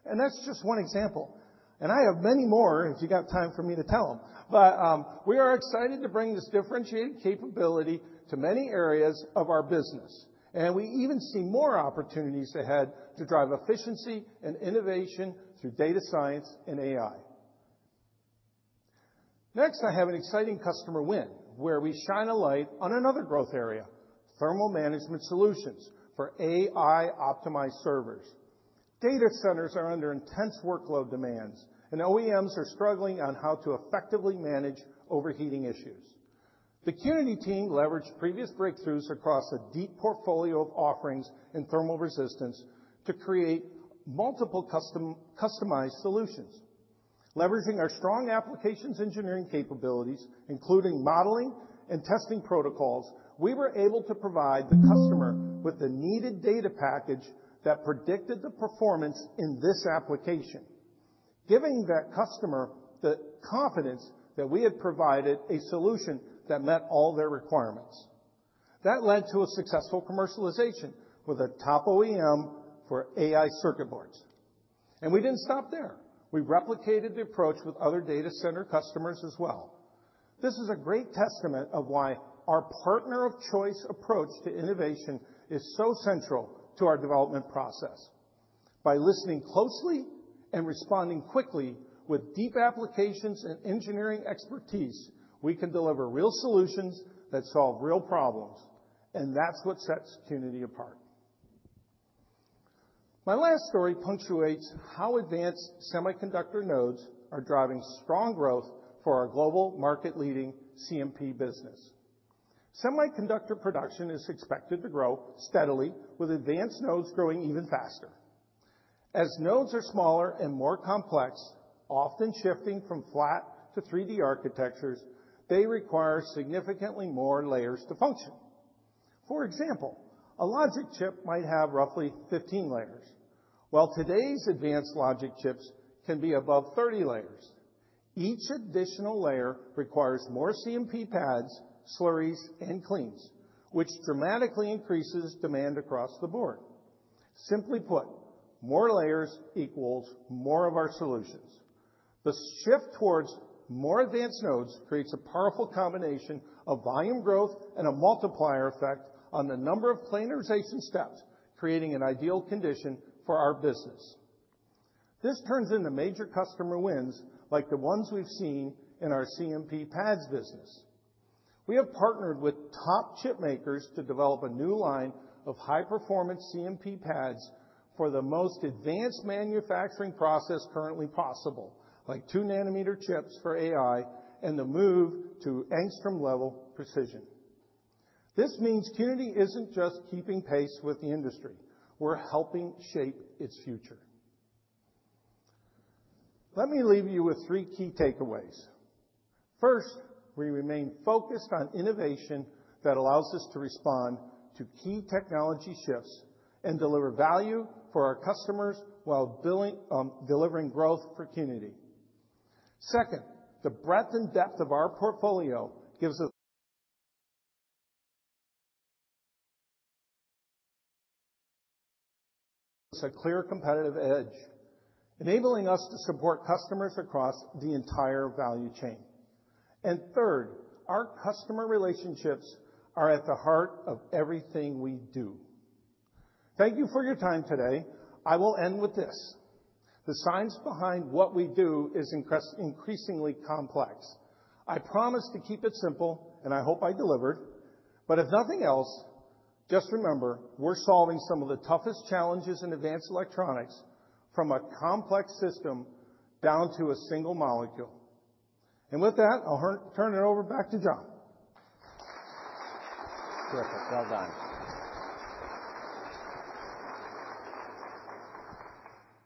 and that's just one example, and I have many more if you got time for me to tell them, but we are excited to bring this differentiated capability to many areas of our business, and we even see more opportunities ahead to drive efficiency and innovation through data science and AI. Next, I have an exciting customer win where we shine a light on another growth area: thermal management solutions for AI-optimized servers. Data centers are under intense workload demands, and OEMs are struggling on how to effectively manage overheating issues. The Qnity team leveraged previous breakthroughs across a deep portfolio of offerings in thermal resistance to create multiple customized solutions. Leveraging our strong applications engineering capabilities, including modeling and testing protocols, we were able to provide the customer with the needed data package that predicted the performance in this application, giving that customer the confidence that we had provided a solution that met all their requirements. That led to a successful commercialization with a top OEM for AI circuit boards. And we didn't stop there. We replicated the approach with other data center customers as well. This is a great testament of why our partner of choice approach to innovation is so central to our development process. By listening closely and responding quickly with deep applications and engineering expertise, we can deliver real solutions that solve real problems, and that's what sets Qnity apart. My last story punctuates how advanced semiconductor nodes are driving strong growth for our global market-leading CMP business. Semiconductor production is expected to grow steadily, with advanced nodes growing even faster. As nodes are smaller and more complex, often shifting from flat to 3D architectures, they require significantly more layers to function. For example, a logic chip might have roughly 15 layers, while today's advanced logic chips can be above 30 layers. Each additional layer requires more CMP pads, slurries, and cleans, which dramatically increases demand across the board. Simply put, more layers equals more of our solutions. The shift towards more advanced nodes creates a powerful combination of volume growth and a multiplier effect on the number of planarization steps, creating an ideal condition for our business. This turns into major customer wins like the ones we've seen in our CMP pads business. We have partnered with top chip makers to develop a new line of high-performance CMP pads for the most advanced manufacturing process currently possible, like 2 nm chips for AI and the move to Angstrom-level precision. This means Qnity isn't just keeping pace with the industry. We're helping shape its future. Let me leave you with three key takeaways. First, we remain focused on innovation that allows us to respond to key technology shifts and deliver value for our customers while delivering growth for Qnity. Second, the breadth and depth of our portfolio gives us a clear competitive edge, enabling us to support customers across the entire value chain. And third, our customer relationships are at the heart of everything we do. Thank you for your time today. I will end with this: the science behind what we do is increasingly complex. I promised to keep it simple, and I hope I delivered. But if nothing else, just remember, we're solving some of the toughest challenges in advanced electronics, from a complex system down to a single molecule. And with that, I'll turn it over back to Jon. Terrific. Well done.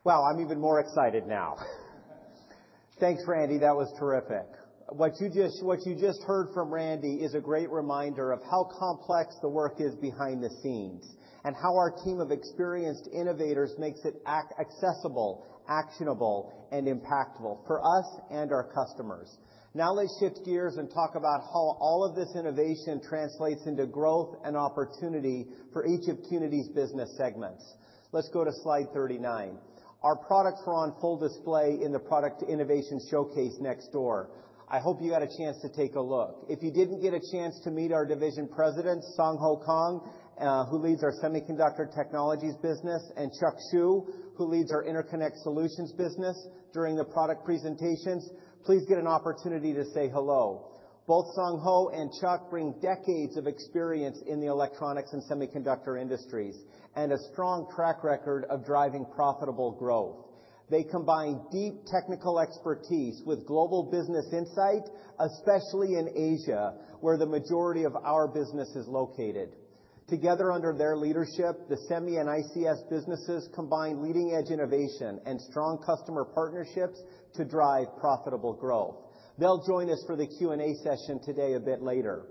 Well, I'm even more excited now. Thanks, Randy. That was terrific. What you just heard from Randy is a great reminder of how complex the work is behind the scenes and how our team of experienced innovators makes it accessible, actionable, and impactful for us and our customers. Now let's shift gears and talk about how all of this innovation translates into growth and opportunity for each of Qnity's business segments. Let's go to Slide 39. Our products are on full display in the product innovation showcase next door. I hope you had a chance to take a look. If you didn't get a chance to meet our division president, Sang Ho Kang, who leads our Semiconductor Technologies business, and Chuck Xu, who leads our Interconnect Solutions business during the product presentations, please get an opportunity to say hello. Both Sang Ho and Chuck bring decades of experience in the electronics and semiconductor industries and a strong track record of driving profitable growth. They combine deep technical expertise with global business insight, especially in Asia, where the majority of our business is located. Together, under their leadership, the semi and ICS businesses combine leading-edge innovation and strong customer partnerships to drive profitable growth. They'll join us for the Q&A session today a bit later.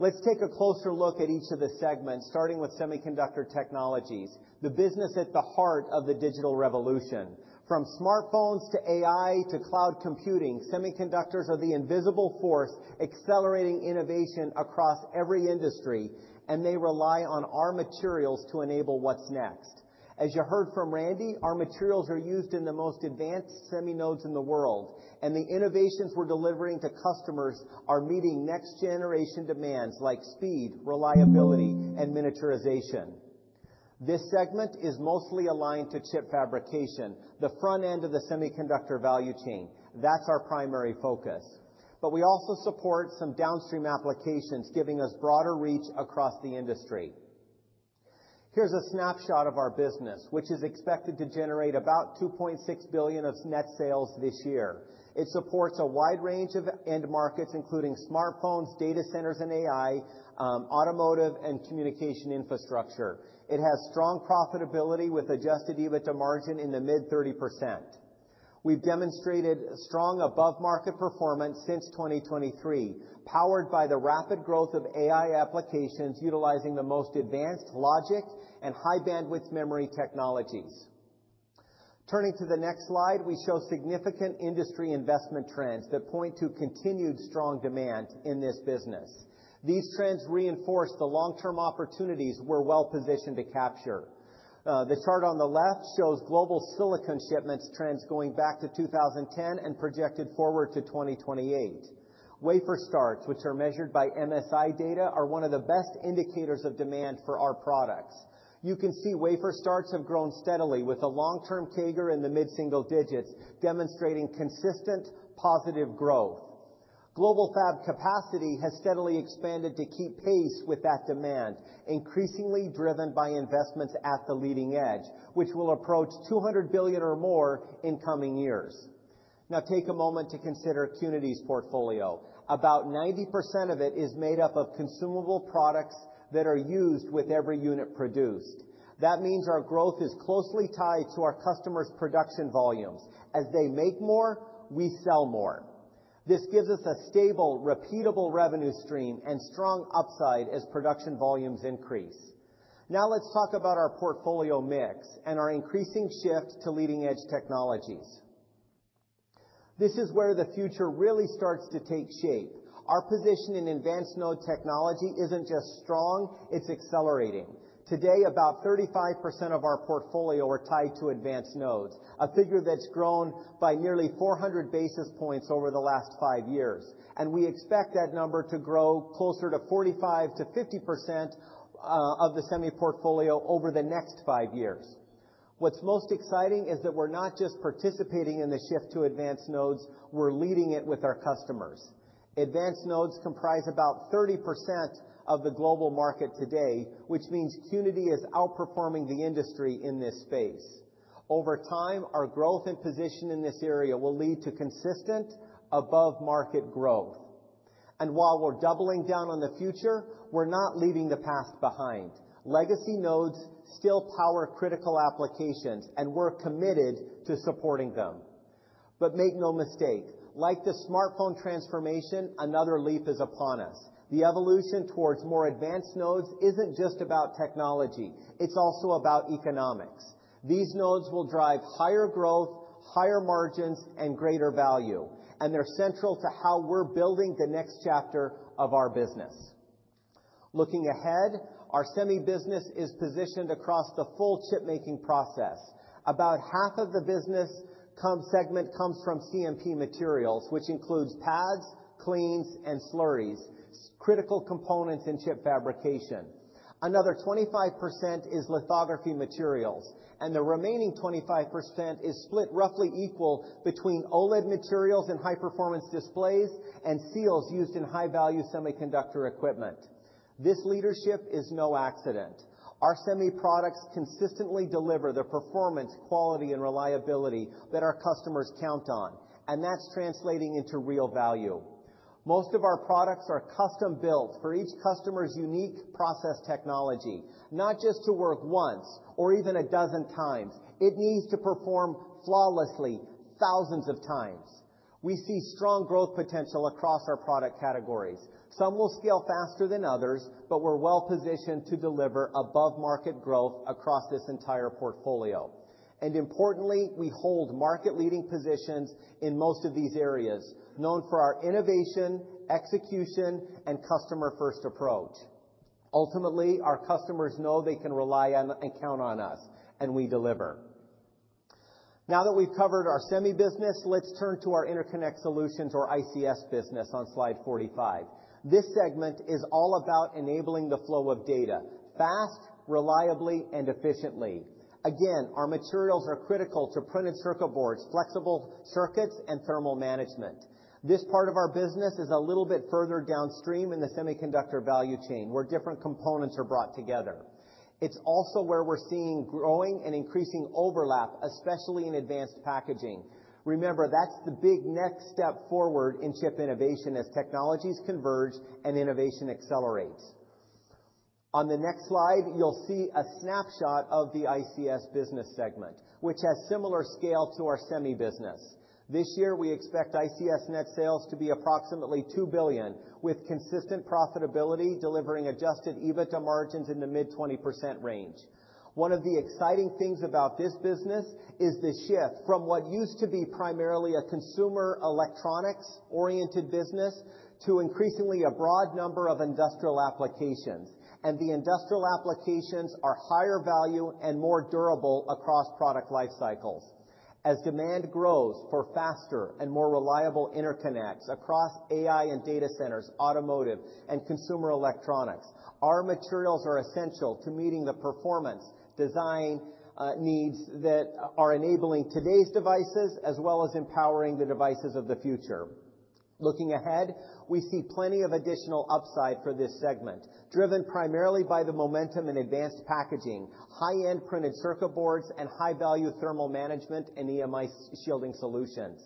Let's take a closer look at each of the segments, starting with Semiconductor Technologies, the business at the heart of the digital revolution. From smartphones to AI to cloud computing, semiconductors are the invisible force accelerating innovation across every industry, and they rely on our materials to enable what's next. As you heard from Randy, our materials are used in the most advanced semi nodes in the world, and the innovations we're delivering to customers are meeting next-generation demands like speed, reliability, and miniaturization. This segment is mostly aligned to chip fabrication, the front end of the semiconductor value chain. That's our primary focus. But we also support some downstream applications, giving us broader reach across the industry. Here's a snapshot of our business, which is expected to generate about $2.6 billion of net sales this year. It supports a wide range of end markets, including smartphones, data centers, and AI, automotive, and communication infrastructure. It has strong profitability with Adjusted EBITDA margin in the mid 30%. We've demonstrated strong above-market performance since 2023, powered by the rapid growth of AI applications utilizing the most advanced logic and High Bandwidth Memory technologies. Turning to the next Slide, we show significant industry investment trends that point to continued strong demand in this business. These trends reinforce the long-term opportunities we're well positioned to capture. The chart on the left shows global silicon shipments trends going back to 2010 and projected forward to 2028. Wafer starts, which are measured by MSI data, are one of the best indicators of demand for our products. You can see wafer starts have grown steadily with a long-term CAGR in the mid-single digits, demonstrating consistent positive growth. Global fab capacity has steadily expanded to keep pace with that demand, increasingly driven by investments at the leading-edge, which will approach $200 billion or more in coming years. Now, take a moment to consider Qnity's portfolio. About 90% of it is made up of consumable products that are used with every unit produced. That means our growth is closely tied to our customers' production volumes. As they make more, we sell more. This gives us a stable, repeatable revenue stream and strong upside as production volumes increase. Now, let's talk about our portfolio mix and our increasing shift to leading-edge technologies. This is where the future really starts to take shape. Our position in advanced node technology isn't just strong, it's accelerating. Today, about 35% of our portfolio are tied to advanced nodes, a figure that's grown by nearly 400 basis points over the last five years, and we expect that number to grow closer to 45%-50% of the semi portfolio over the next five years. What's most exciting is that we're not just participating in the shift to advanced nodes. We're leading it with our customers. Advanced nodes comprise about 30% of the global market today, which means Qnity is outperforming the industry in this space. Over time, our growth and position in this area will lead to consistent above-market growth and while we're doubling down on the future, we're not leaving the past behind. Legacy nodes still power critical applications, and we're committed to supporting them, but make no mistake, like the smartphone transformation, another leap is upon us. The evolution towards more advanced nodes isn't just about technology. It's also about economics. These nodes will drive higher growth, higher margins, and greater value, and they're central to how we're building the next chapter of our business. Looking ahead, our semi business is positioned across the full chip making process. About half of the business segment comes from CMP materials, which includes pads, cleans, and slurries, critical components in chip fabrication. Another 25% is lithography materials, and the remaining 25% is split roughly equal between OLED materials and high-performance displays and seals used in high-value semiconductor equipment. This leadership is no accident. Our semi products consistently deliver the performance, quality, and reliability that our customers count on, and that's translating into real value. Most of our products are custom built for each customer's unique process technology, not just to work once or even a dozen times. It needs to perform flawlessly thousands of times. We see strong growth potential across our product categories. Some will scale faster than others, but we're well positioned to deliver above-market growth across this entire portfolio. And importantly, we hold market-leading positions in most of these areas, known for our innovation, execution, and customer-first approach. Ultimately, our customers know they can rely on and count on us, and we deliver. Now that we've covered our semi business, let's turn to our Interconnect Solutions, or ICS business, on Slide 45. This segment is all about enabling the flow of data fast, reliably, and efficiently. Again, our materials are critical to printed circuit boards, flexible circuits, and thermal management. This part of our business is a little bit further downstream in the semiconductor value chain, where different components are brought together. It's also where we're seeing growing and increasing overlap, especially in advanced packaging. Remember, that's the big next step forward in chip innovation as technologies converge and innovation accelerates. On the next Slide, you'll see a snapshot of the ICS business segment, which has similar scale to our semi business. This year, we expect ICS net sales to be approximately $2 billion, with consistent profitability delivering adjusted EBITDA margins in the mid-20% range. One of the exciting things about this business is the shift from what used to be primarily a consumer electronics-oriented business to increasingly a broad number of industrial applications. The industrial applications are higher value and more durable across product life cycles. As demand grows for faster and more reliable interconnects across AI and data centers, automotive, and consumer electronics, our materials are essential to meeting the performance design needs that are enabling today's devices as well as empowering the devices of the future. Looking ahead, we see plenty of additional upside for this segment, driven primarily by the momentum in advanced packaging, high-end printed circuit boards, and high-value thermal management and EMI shielding solutions.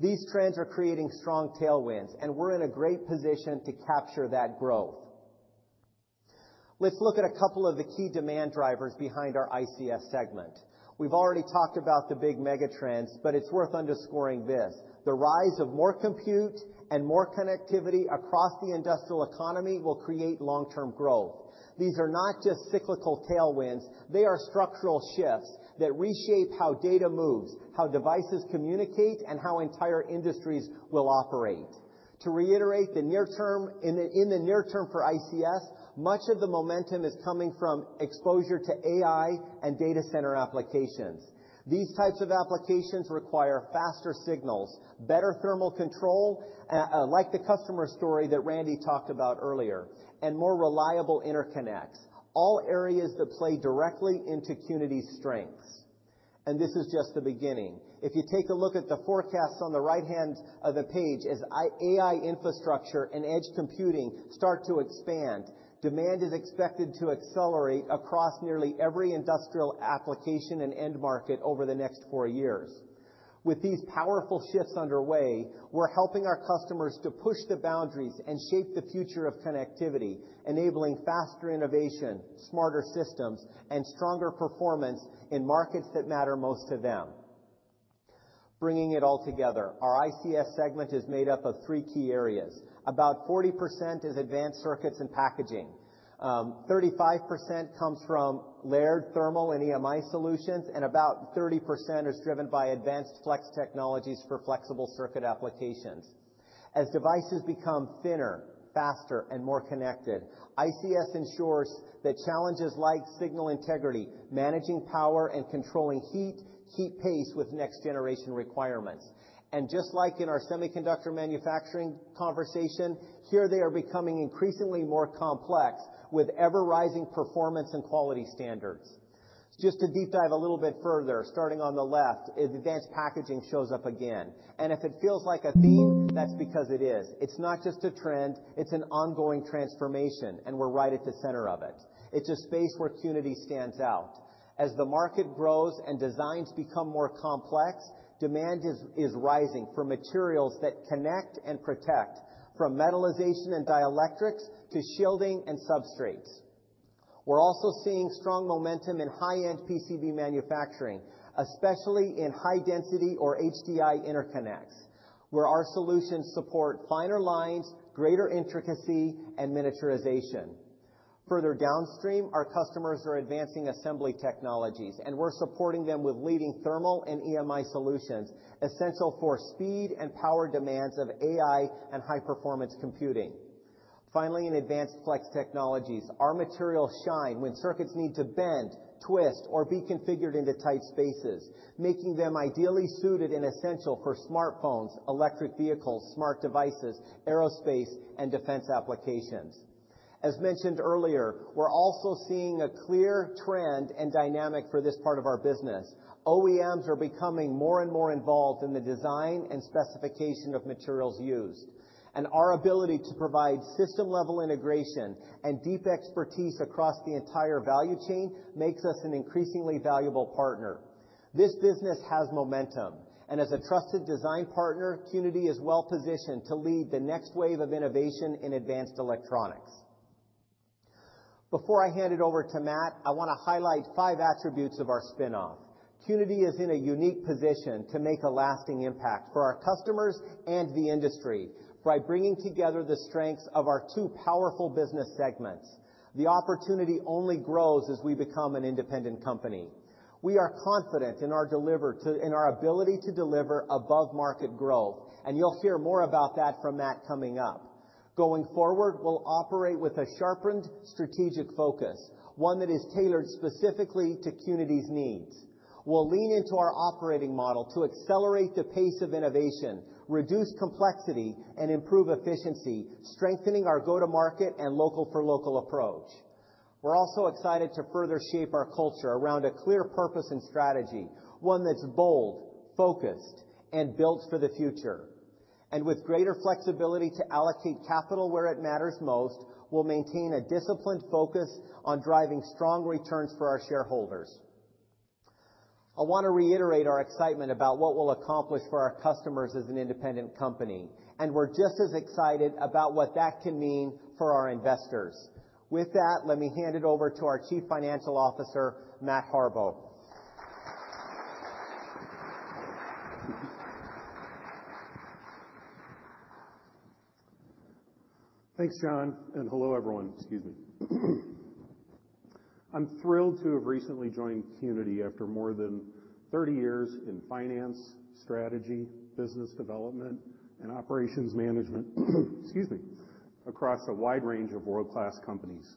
These trends are creating strong tailwinds, and we're in a great position to capture that growth. Let's look at a couple of the key demand drivers behind our ICS segment. We've already talked about the big mega trends, but it's worth underscoring this: the rise of more compute and more connectivity across the industrial economy will create long-term growth. These are not just cyclical tailwinds. They are structural shifts that reshape how data moves, how devices communicate, and how entire industries will operate. To reiterate, in the near term for ICS, much of the momentum is coming from exposure to AI and data center applications. These types of applications require faster signals, better thermal control, like the customer story that Randy talked about earlier, and more reliable interconnects, all areas that play directly into Qnity's strengths. And this is just the beginning. If you take a look at the forecasts on the right hand of the page, as AI infrastructure and edge computing start to expand, demand is expected to accelerate across nearly every industrial application and end market over the next four years. With these powerful shifts underway, we're helping our customers to push the boundaries and shape the future of connectivity, enabling faster innovation, smarter systems, and stronger performance in markets that matter most to them. Bringing it all together, our ICS segment is made up of three key areas. About 40% is advanced circuits and packaging. 35% comes from layered thermal and EMI solutions, and about 30% is driven by advanced flex technologies for flexible circuit applications. As devices become thinner, faster, and more connected, ICS ensures that challenges like signal integrity, managing power, and controlling heat keep pace with next-generation requirements. Just like in our semiconductor manufacturing conversation, here they are becoming increasingly more complex with ever-rising performance and quality standards. Just to deep dive a little bit further, starting on the left, advanced packaging shows up again. If it feels like a theme, that's because it is. It's not just a trend, it's an ongoing transformation, and we're right at the center of it. It's a space where Qnity stands out. As the market grows and designs become more complex, demand is rising for materials that connect and protect, from metallization and dielectrics to shielding and substrates. We're also seeing strong momentum in high-end PCB manufacturing, especially in high-density or HDI interconnects, where our solutions support finer lines, greater intricacy, and miniaturization. Further downstream, our customers are advancing assembly technologies, and we're supporting them with leading thermal and EMI solutions essential for speed and power demands of AI and high-performance computing. Finally, in advanced flex technologies, our materials shine when circuits need to bend, twist, or be configured into tight spaces, making them ideally suited and essential for smartphones, electric vehicles, smart devices, aerospace, and defense applications. As mentioned earlier, we're also seeing a clear trend and dynamic for this part of our business. OEMs are becoming more and more involved in the design and specification of materials used, and our ability to provide system-level integration and deep expertise across the entire value chain makes us an increasingly valuable partner. This business has momentum, and as a trusted design partner, Qnity is well positioned to lead the next wave of innovation in advanced electronics. Before I hand it over to Matt, I want to highlight five attributes of our spin-off. Qnity is in a unique position to make a lasting impact for our customers and the industry by bringing together the strengths of our two powerful business segments. The opportunity only grows as we become an independent company. We are confident in our ability to deliver above-market growth, and you'll hear more about that from Matt coming up. Going forward, we'll operate with a sharpened strategic focus, one that is tailored specifically to Qnity's needs. We'll lean into our operating model to accelerate the pace of innovation, reduce complexity, and improve efficiency, strengthening our go-to-market and local-for-local approach. We're also excited to further shape our culture around a clear purpose and strategy, one that's bold, focused, and built for the future. With greater flexibility to allocate capital where it matters most, we'll maintain a disciplined focus on driving strong returns for our shareholders. I want to reiterate our excitement about what we'll accomplish for our customers as an independent company. We're just as excited about what that can mean for our investors. With that, let me hand it over to our Chief Financial Officer, Matt Harbaugh. Thanks, Jon. Hello, everyone. Excuse me. I'm thrilled to have recently joined Qnity after more than 30 years in finance, strategy, business development, and operations management, excuse me, across a wide range of world-class companies.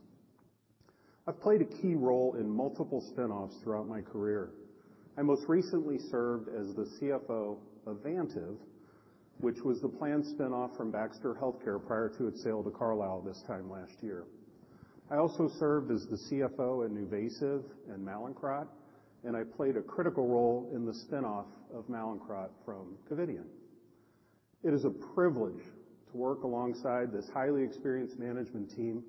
I've played a key role in multiple spin-offs throughout my career. I most recently served as the CFO of Vantive, which was the planned spin-off from Baxter Healthcare prior to its sale to Carlyle this time last year. I also served as the CFO at NuVasive and Mallinckrodt, and I played a critical role in the spin-off of Mallinckrodt from Covidien. It is a privilege to work alongside this highly experienced management team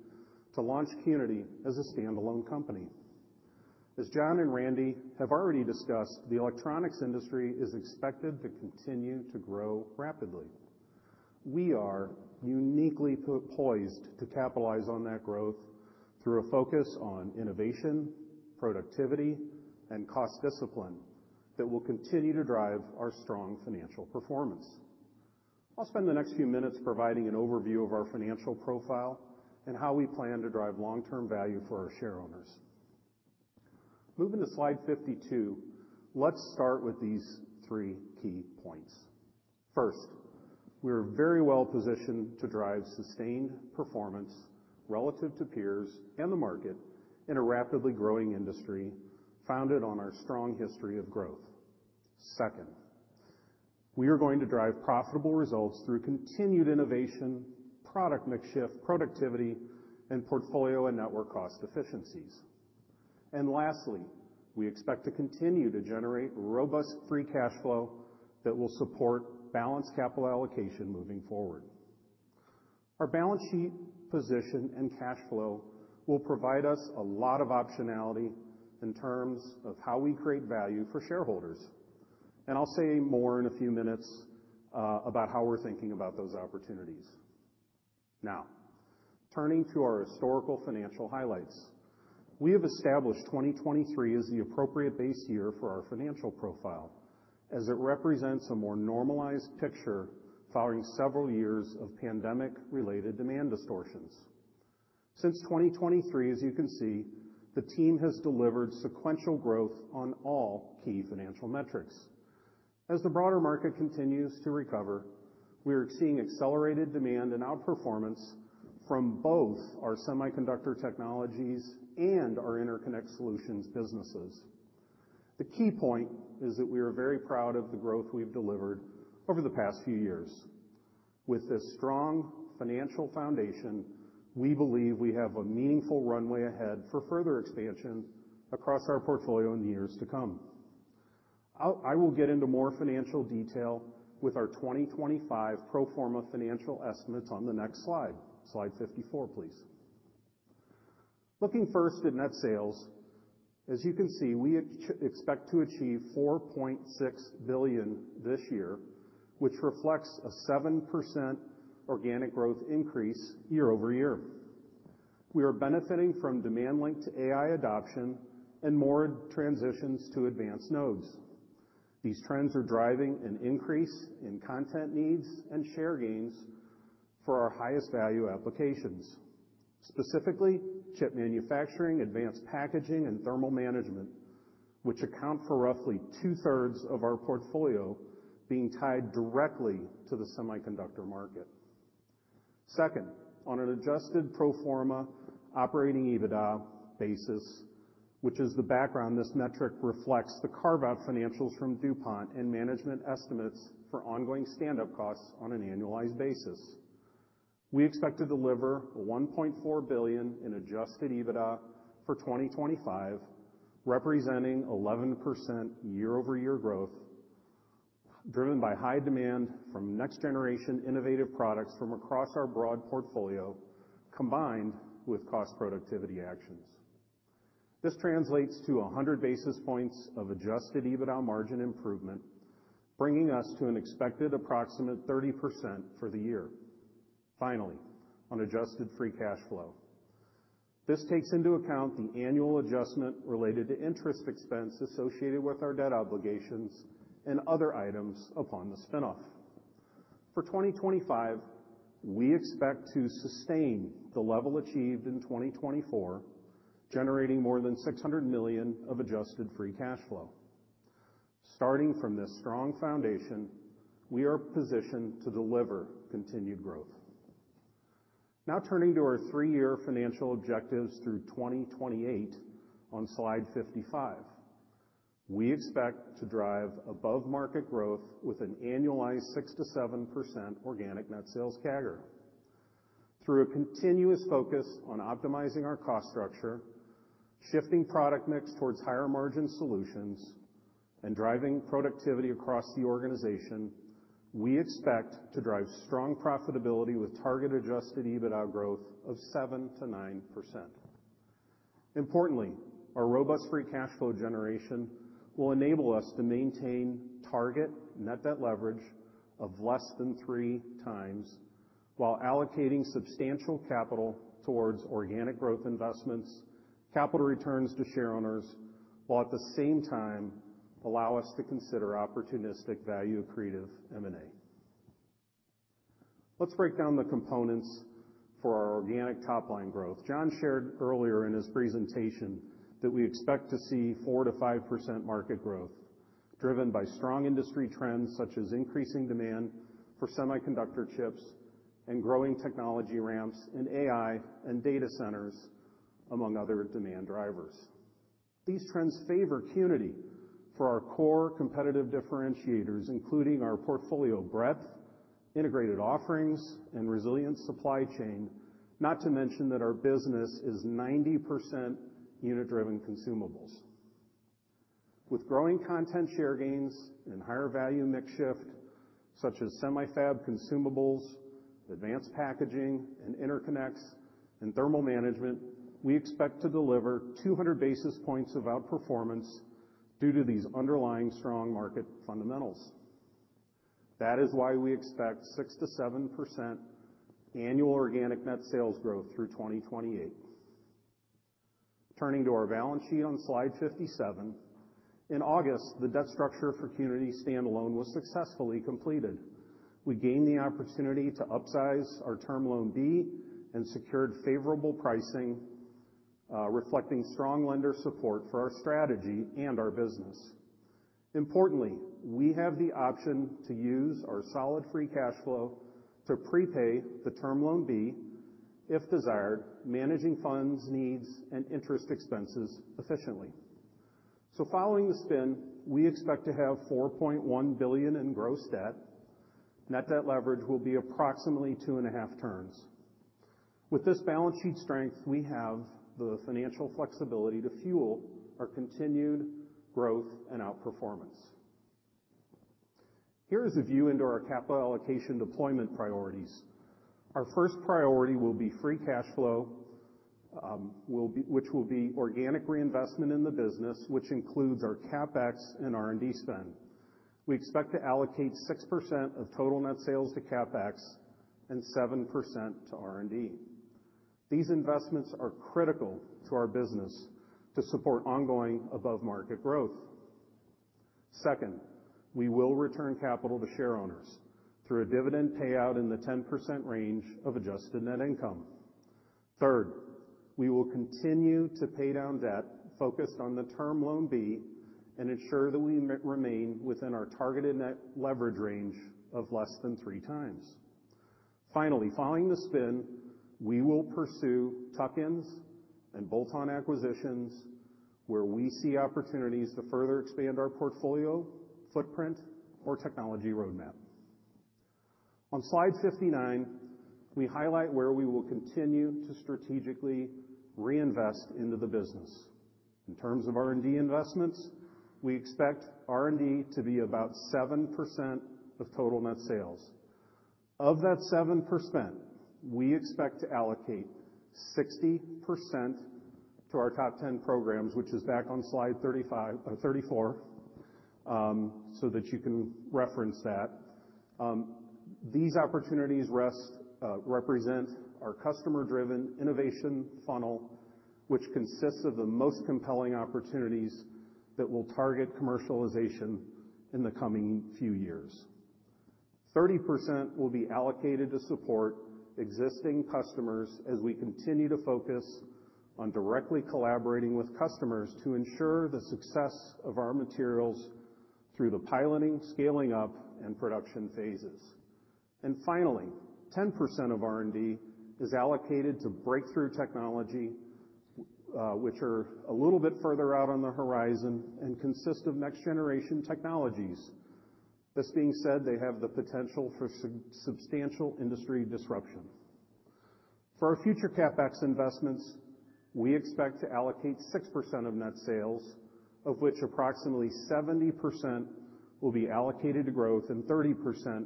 to launch Qnity as a standalone company. As Jon and Randy have already discussed, the electronics industry is expected to continue to grow rapidly. We are uniquely poised to capitalize on that growth through a focus on innovation, productivity, and cost discipline that will continue to drive our strong financial performance. I'll spend the next few minutes providing an overview of our financial profile and how we plan to drive long-term value for our share owners. Moving to Slide 52, let's start with these three key points. First, we are very well positioned to drive sustained performance relative to peers and the market in a rapidly growing industry founded on our strong history of growth. Second, we are going to drive profitable results through continued innovation, product mix shift, productivity, and portfolio and network cost efficiencies. And lastly, we expect to continue to generate robust free cash flow that will support balanced capital allocation moving forward. Our balance sheet position and cash flow will provide us a lot of optionality in terms of how we create value for shareholders. And I'll say more in a few minutes about how we're thinking about those opportunities. Now, turning to our historical financial highlights, we have established 2023 as the appropriate base year for our financial profile, as it represents a more normalized picture following several years of pandemic-related demand distortions. Since 2023, as you can see, the team has delivered sequential growth on all key financial metrics. As the broader market continues to recover, we are seeing accelerated demand and outperformance from both our Semiconductor Technologies and our Interconnect Solutions businesses. The key point is that we are very proud of the growth we've delivered over the past few years. With this strong financial foundation, we believe we have a meaningful runway ahead for further expansion across our portfolio in the years to come. I will get into more financial detail with our 2025 pro forma financial estimates on the next Slide. Slide 54, please. Looking first at net sales, as you can see, we expect to achieve $4.6 billion this year, which reflects a 7% organic growth increase year over year. We are benefiting from demand linked to AI adoption and more transitions to advanced nodes. These trends are driving an increase in content needs and share gains for our highest value applications, specifically chip manufacturing, advanced packaging, and thermal management, which account for roughly two-thirds of our portfolio being tied directly to the semiconductor market. Second, on an adjusted pro forma operating EBITDA basis, which is the background this metric reflects, the carve-out financials from DuPont and management estimates for ongoing stand-up costs on an annualized basis. We expect to deliver $1.4 billion in adjusted EBITDA for 2025, representing 11% year-over-year growth driven by high demand from next-generation innovative products from across our broad portfolio, combined with cost productivity actions. This translates to 100 basis points of adjusted EBITDA margin improvement, bringing us to an expected approximate 30% for the year. Finally, on adjusted free cash flow, this takes into account the annual adjustment related to interest expense associated with our debt obligations and other items upon the spin-off. For 2025, we expect to sustain the level achieved in 2024, generating more than $600 million of adjusted free cash flow. Starting from this strong foundation, we are positioned to deliver continued growth. Now turning to our three-year financial objectives through 2028 on Slide 55, we expect to drive above-market growth with an annualized 6%-7% organic net sales CAGR. Through a continuous focus on optimizing our cost structure, shifting product mix towards higher margin solutions, and driving productivity across the organization, we expect to drive strong profitability with target-adjusted EBITDA growth of 7%-9%. Importantly, our robust free cash flow generation will enable us to maintain target net debt leverage of less than three times while allocating substantial capital towards organic growth investments, capital returns to share owners, while at the same time allow us to consider opportunistic value-accretive M&A. Let's break down the components for our organic top-line growth. Jon shared earlier in his presentation that we expect to see 4%-5% market growth driven by strong industry trends such as increasing demand for semiconductor chips and growing technology ramps in AI and data centers, among other demand drivers. These trends favor Qnity for our core competitive differentiators, including our portfolio breadth, integrated offerings, and resilient supply chain, not to mention that our business is 90% unit-driven consumables. With growing content share gains and higher value mix shift, such as semi-fab consumables, advanced packaging, and interconnects and thermal management, we expect to deliver 200 basis points of outperformance due to these underlying strong market fundamentals. That is why we expect 6%-7% annual organic net sales growth through 2028. Turning to our balance sheet on Slide 57, in August, the debt structure for Qnity standalone was successfully completed. We gained the opportunity to upsize our Term Loan B and secured favorable pricing, reflecting strong lender support for our strategy and our business. Importantly, we have the option to use our solid free cash flow to prepay the Term Loan B if desired, managing funds, needs, and interest expenses efficiently. So following the spin, we expect to have $4.1 billion in gross debt. Net debt leverage will be approximately two and a half turns. With this balance sheet strength, we have the financial flexibility to fuel our continued growth and outperformance. Here is a view into our capital allocation deployment priorities. Our first priority will be free cash flow, which will be organic reinvestment in the business, which includes our CapEx and R&D spend. We expect to allocate 6% of total net sales to CapEx and 7% to R&D. These investments are critical to our business to support ongoing above-market growth. Second, we will return capital to share owners through a dividend payout in the 10% range of adjusted net income. Third, we will continue to pay down debt focused on the Term Loan B and ensure that we remain within our targeted net leverage range of less than three times. Finally, following the spin, we will pursue tuck-ins and bolt-on acquisitions where we see opportunities to further expand our portfolio footprint or technology roadmap. On Slide 59, we highlight where we will continue to strategically reinvest into the business. In terms of R&D investments, we expect R&D to be about 7% of total net sales. Of that 7%, we expect to allocate 60% to our top 10 programs, which is back on Slide 34, so that you can reference that. These opportunities represent our customer-driven innovation funnel, which consists of the most compelling opportunities that will target commercialization in the coming few years. 30% will be allocated to support existing customers as we continue to focus on directly collaborating with customers to ensure the success of our materials through the piloting, scaling-up, and production phases. Finally, 10% of R&D is allocated to breakthrough technology, which are a little bit further out on the horizon and consist of next-generation technologies. This being said, they have the potential for substantial industry disruption. For our future CapEx investments, we expect to allocate 6% of net sales, of which approximately 70% will be allocated to growth and 30%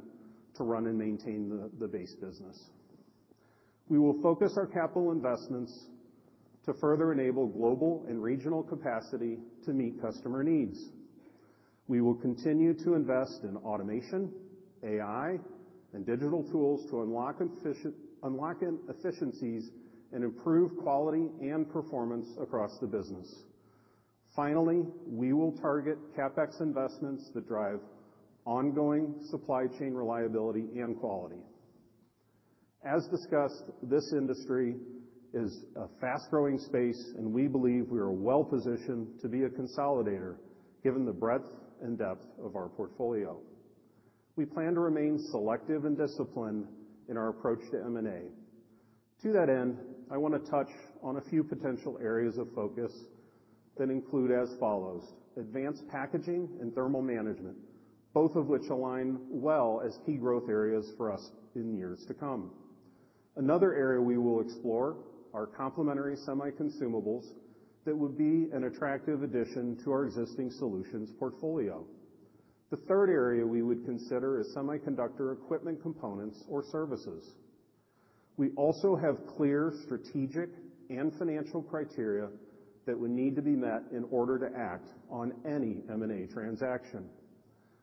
to run and maintain the base business. We will focus our capital investments to further enable global and regional capacity to meet customer needs. We will continue to invest in automation, AI, and digital tools to unlock efficiencies and improve quality and performance across the business. Finally, we will target CapEx investments that drive ongoing supply chain reliability and quality. As discussed, this industry is a fast-growing space, and we believe we are well positioned to be a consolidator given the breadth and depth of our portfolio. We plan to remain selective and disciplined in our approach to M&A. To that end, I want to touch on a few potential areas of focus that include as follows: advanced packaging and thermal management, both of which align well as key growth areas for us in years to come. Another area we will explore are complementary semi-consumables that would be an attractive addition to our existing solutions portfolio. The third area we would consider is semiconductor equipment components or services. We also have clear strategic and financial criteria that would need to be met in order to act on any M&A transaction.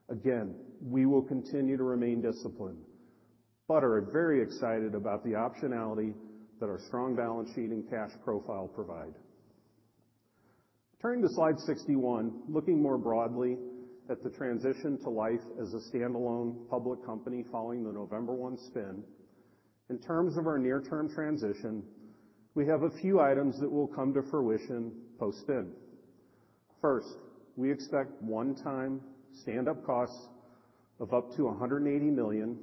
Again, we will continue to remain disciplined, but are very excited about the optionality that our strong balance sheet and cash profile provide. Turning to Slide 61, looking more broadly at the transition to life as a standalone public company following the November 1 spin, in terms of our near-term transition, we have a few items that will come to fruition post-spin. First, we expect one-time stand-up costs of up to $180 million,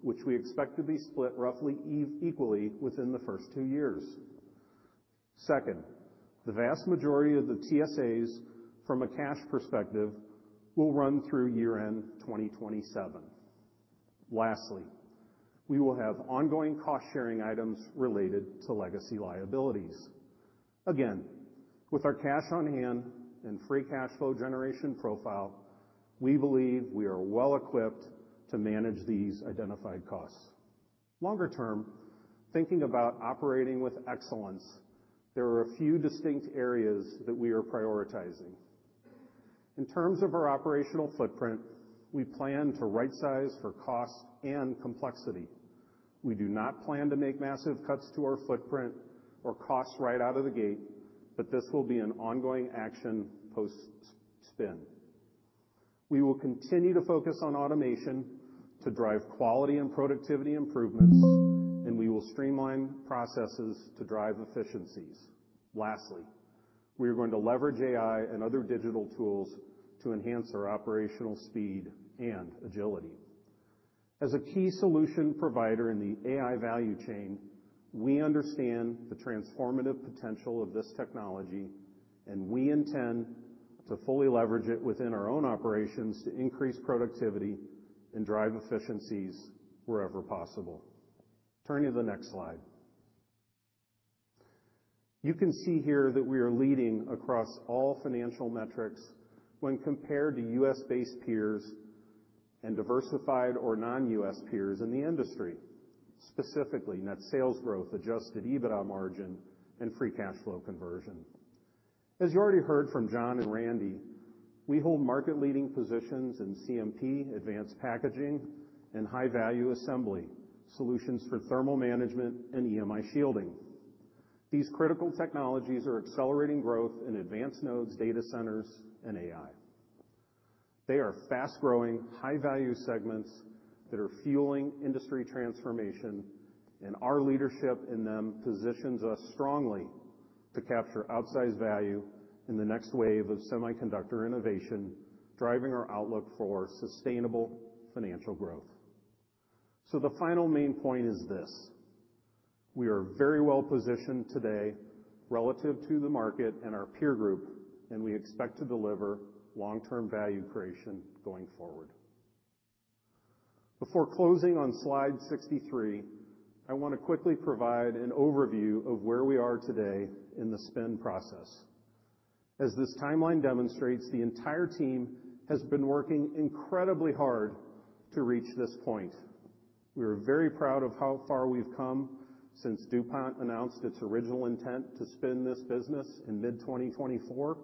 which we expect to be split roughly equally within the first two years. Second, the vast majority of the TSAs from a cash perspective will run through year-end 2027. Lastly, we will have ongoing cost-sharing items related to legacy liabilities. Again, with our cash on hand and free cash flow generation profile, we believe we are well equipped to manage these identified costs. Longer term, thinking about operating with excellence, there are a few distinct areas that we are prioritizing. In terms of our operational footprint, we plan to right-size for cost and complexity. We do not plan to make massive cuts to our footprint or costs right out of the gate, but this will be an ongoing action post-spin. We will continue to focus on automation to drive quality and productivity improvements, and we will streamline processes to drive efficiencies. Lastly, we are going to leverage AI and other digital tools to enhance our operational speed and agility. As a key solution provider in the AI value chain, we understand the transformative potential of this technology, and we intend to fully leverage it within our own operations to increase productivity and drive efficiencies wherever possible. Turning to the next Slide, you can see here that we are leading across all financial metrics when compared to U.S.-based peers and diversified or non-U.S. peers in the industry, specifically net sales growth, Adjusted EBITDA margin, and free cash flow conversion. As you already heard from Jon and Randy, we hold market-leading positions in CMP, advanced packaging, and high-value assembly solutions for thermal management and EMI shielding. These critical technologies are accelerating growth in advanced nodes, data centers, and AI. They are fast-growing, high-value segments that are fueling industry transformation, and our leadership in them positions us strongly to capture outsized value in the next wave of semiconductor innovation, driving our outlook for sustainable financial growth, so the final main point is this: we are very well positioned today relative to the market and our peer group, and we expect to deliver long-term value creation going forward. Before closing on Slide 63, I want to quickly provide an overview of where we are today in the spin process. As this timeline demonstrates, the entire team has been working incredibly hard to reach this point. We are very proud of how far we've come since DuPont announced its original intent to spin this business in mid-2024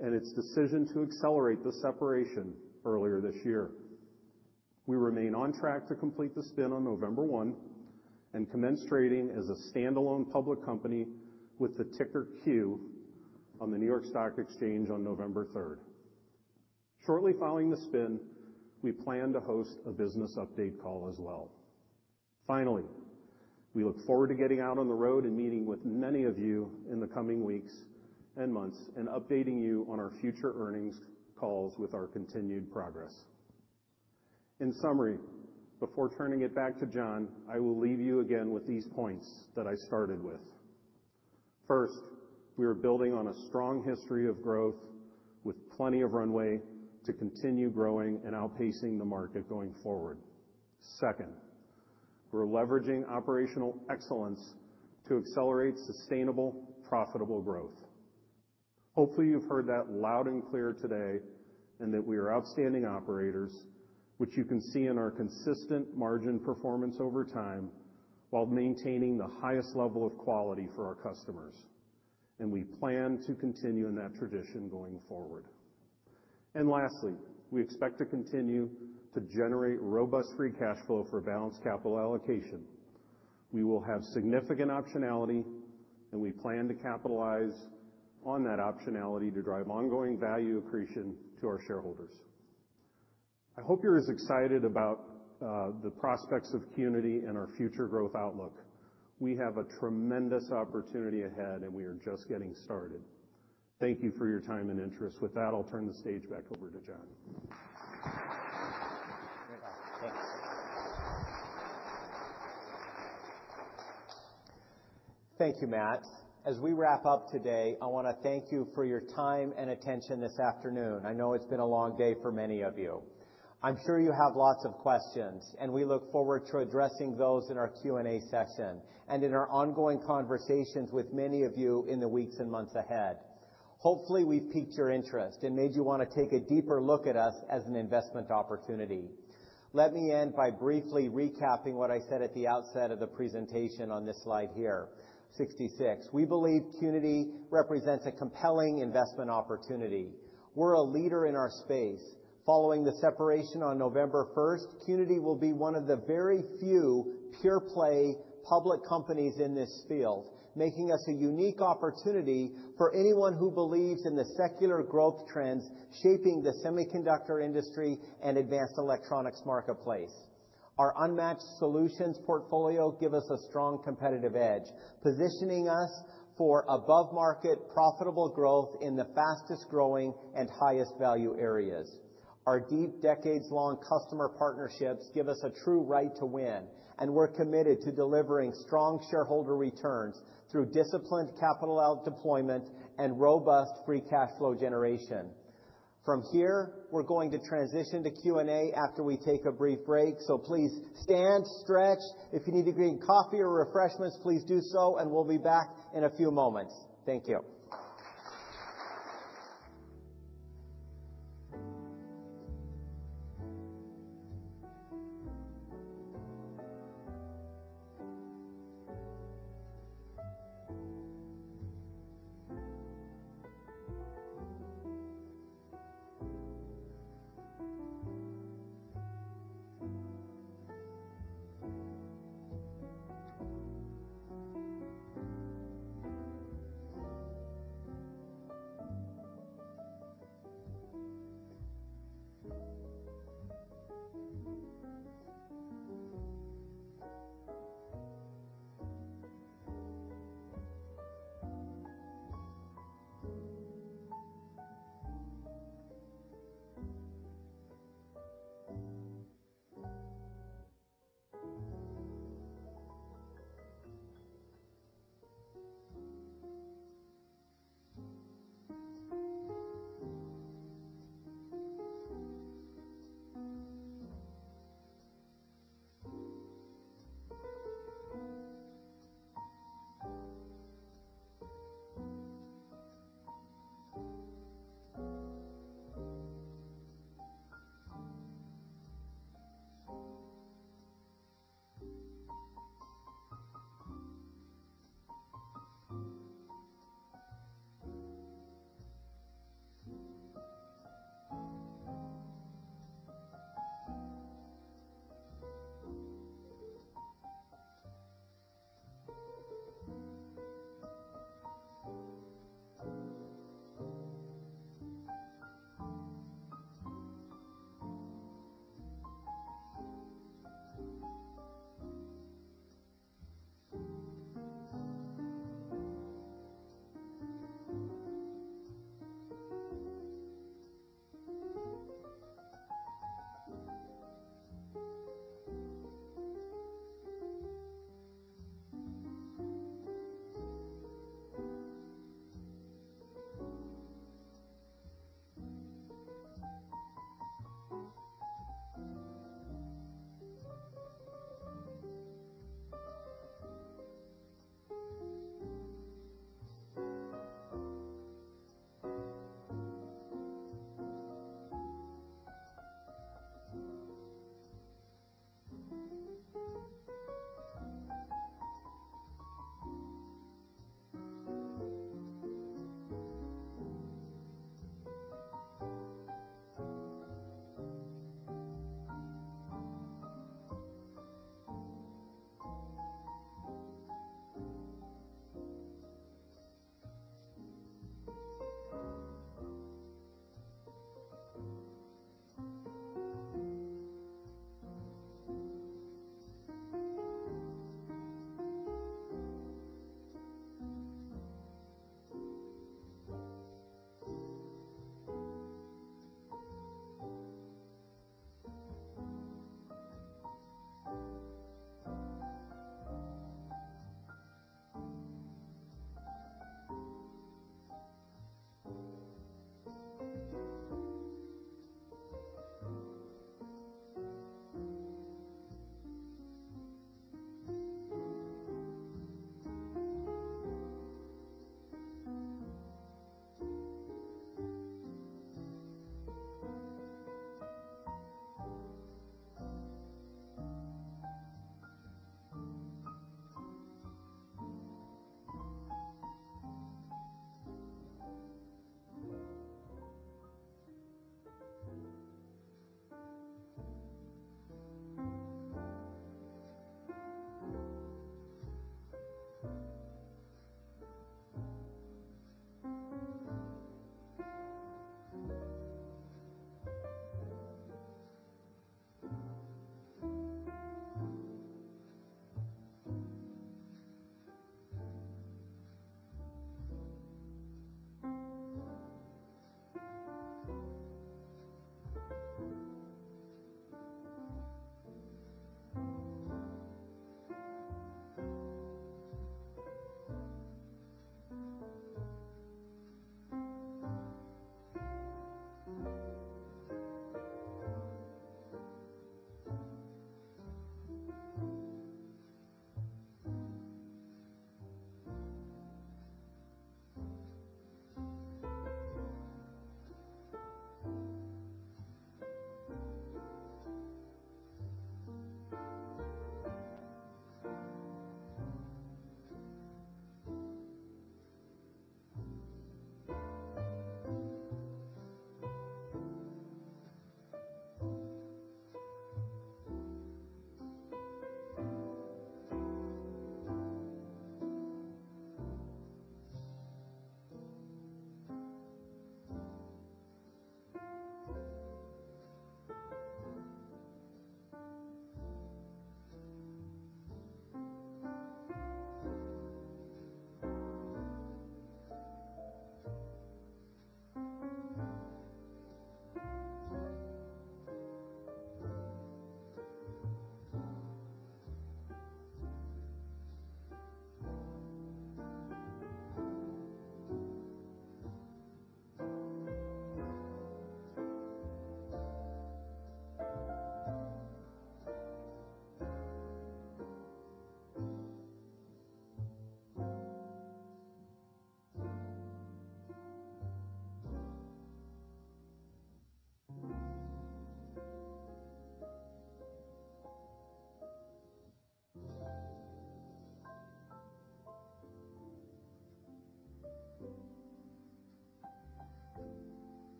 and its decision to accelerate the separation earlier this year. We remain on track to complete the spin on November 1 and commence trading as a standalone public company with the ticker Q on the New York Stock Exchange on November 3rd. Shortly following the spin, we plan to host a business update call as well. Finally, we look forward to getting out on the road and meeting with many of you in the coming weeks and months and updating you on our future earnings calls with our continued progress. In summary, before turning it back to Jon, I will leave you again with these points that I started with. First, we are building on a strong history of growth with plenty of runway to continue growing and outpacing the market going forward. Second, we're leveraging operational excellence to accelerate sustainable, profitable growth. Hopefully, you've heard that loud and clear today and that we are outstanding operators, which you can see in our consistent margin performance over time while maintaining the highest level of quality for our customers, and we plan to continue in that tradition going forward, and lastly, we expect to continue to generate robust free cash flow for balanced capital allocation. We will have significant optionality, and we plan to capitalize on that optionality to drive ongoing value accretion to our shareholders. I hope you're as excited about the prospects of Qnity and our future growth outlook. We have a tremendous opportunity ahead, and we are just getting started. Thank you for your time and interest. With that, I'll turn the stage back over to Jon. Thank you, Matt. As we wrap up today, I want to thank you for your time and attention this afternoon. I know it's been a long day for many of you. I'm sure you have lots of questions, and we look forward to addressing those in our Q&A session and in our ongoing conversations with many of you in the weeks and months ahead. Hopefully, we've piqued your interest and made you want to take a deeper look at us as an investment opportunity. Let me end by briefly recapping what I said at the outset of the presentation on this Slide here, 66. We believe Qnity represents a compelling investment opportunity. We're a leader in our space. Following the separation on November 1st, Qnity will be one of the very few pure-play public companies in this field, making us a unique opportunity for anyone who believes in the secular growth trends shaping the semiconductor industry and advanced electronics marketplace. Our unmatched solutions portfolio gives us a strong competitive edge, positioning us for above-market profitable growth in the fastest-growing and highest-value areas. Our deep decades-long customer partnerships give us a true right to win, and we're committed to delivering strong shareholder returns through disciplined capital allocation and robust free cash flow generation. From here, we're going to transition to Q&A after we take a brief break, so please stand, stretch. If you need to drink coffee or refreshments, please do so, and we'll be back in a few moments. Thank you.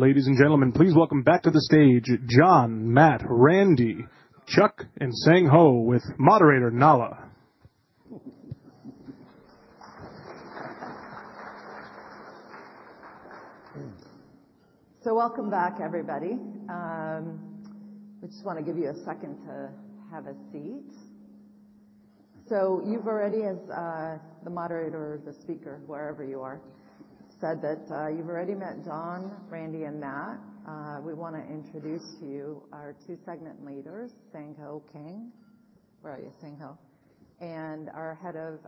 Ladies and gentlemen, please welcome back to the stage Jon, Matt, Randy, Chuck, and Sang Ho with moderator Nahla. So welcome back, everybody. We just want to give you a second to have a seat. So you've already, as the moderator or the speaker, wherever you are, said that you've already met Jon, Randy, and Matt. We want to introduce to you our two segment leaders, Sang Ho Kang, where are you, Sang Ho? And our head of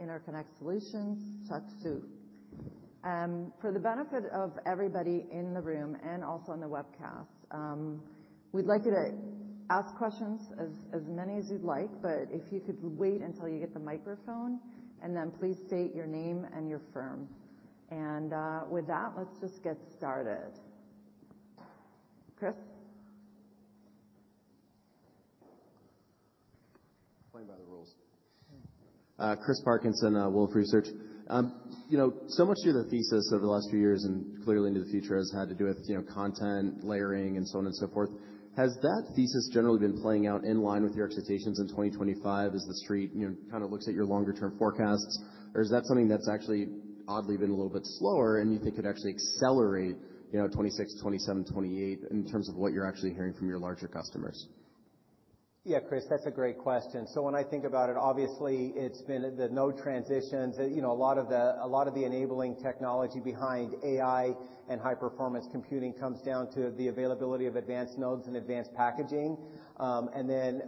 Interconnect Solutions, Chuck Xu. For the benefit of everybody in the room and also on the webcast, we'd like you to ask questions as many as you'd like, but if you could wait until you get the microphone, and then please state your name and your firm. And with that, let's just get started. Chris? Playing by the rules. Chris Parkinson, Wolfe Research. So much of the thesis over the last few years and clearly into the future has had to do with content layering and so on and so forth. Has that thesis generally been playing out in line with your expectations in 2025 as the street kind of looks at your longer-term forecasts? Or is that something that's actually oddly been a little bit slower and you think could actually accelerate 2026, 2027, 2028 in terms of what you're actually hearing from your larger customers? Yeah, Chris, that's a great question. So when I think about it, obviously, it's been the node transitions. A lot of the enabling technology behind AI and high-performance computing comes down to the availability of advanced nodes and advanced packaging. And then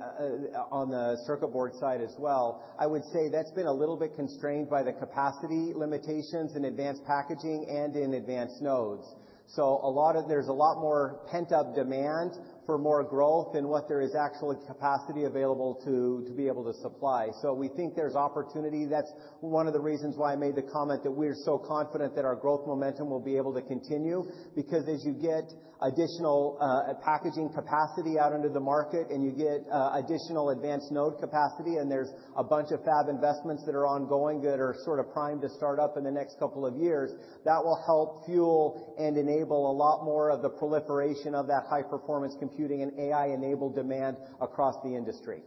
on the circuit board side as well, I would say that's been a little bit constrained by the capacity limitations in advanced packaging and in advanced nodes. So there's a lot more pent-up demand for more growth than what there is actually capacity available to be able to supply. So we think there's opportunity. That's one of the reasons why I made the comment that we're so confident that our growth momentum will be able to continue, because as you get additional packaging capacity out into the market and you get additional advanced node capacity and there's a bunch of fab investments that are ongoing that are sort of primed to start up in the next couple of years, that will help fuel and enable a lot more of the proliferation of that high-performance computing and AI-enabled demand across the industry.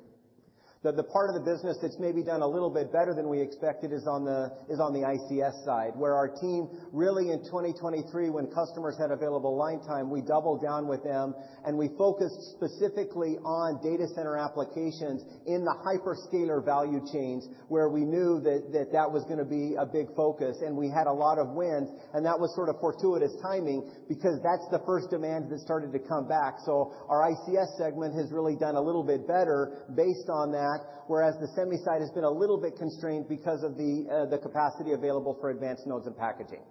The part of the business that's maybe done a little bit better than we expected is on the ICS side, where our team really in 2023, when customers had available line time, we doubled down with them and we focused specifically on data center applications in the hyperscaler value chains where we knew that that was going to be a big focus. We had a lot of wins, and that was sort of fortuitous timing because that's the first demand that started to come back. Our ICS segment has really done a little bit better based on that, whereas the semi side has been a little bit constrained because of the capacity available for advanced nodes and packaging.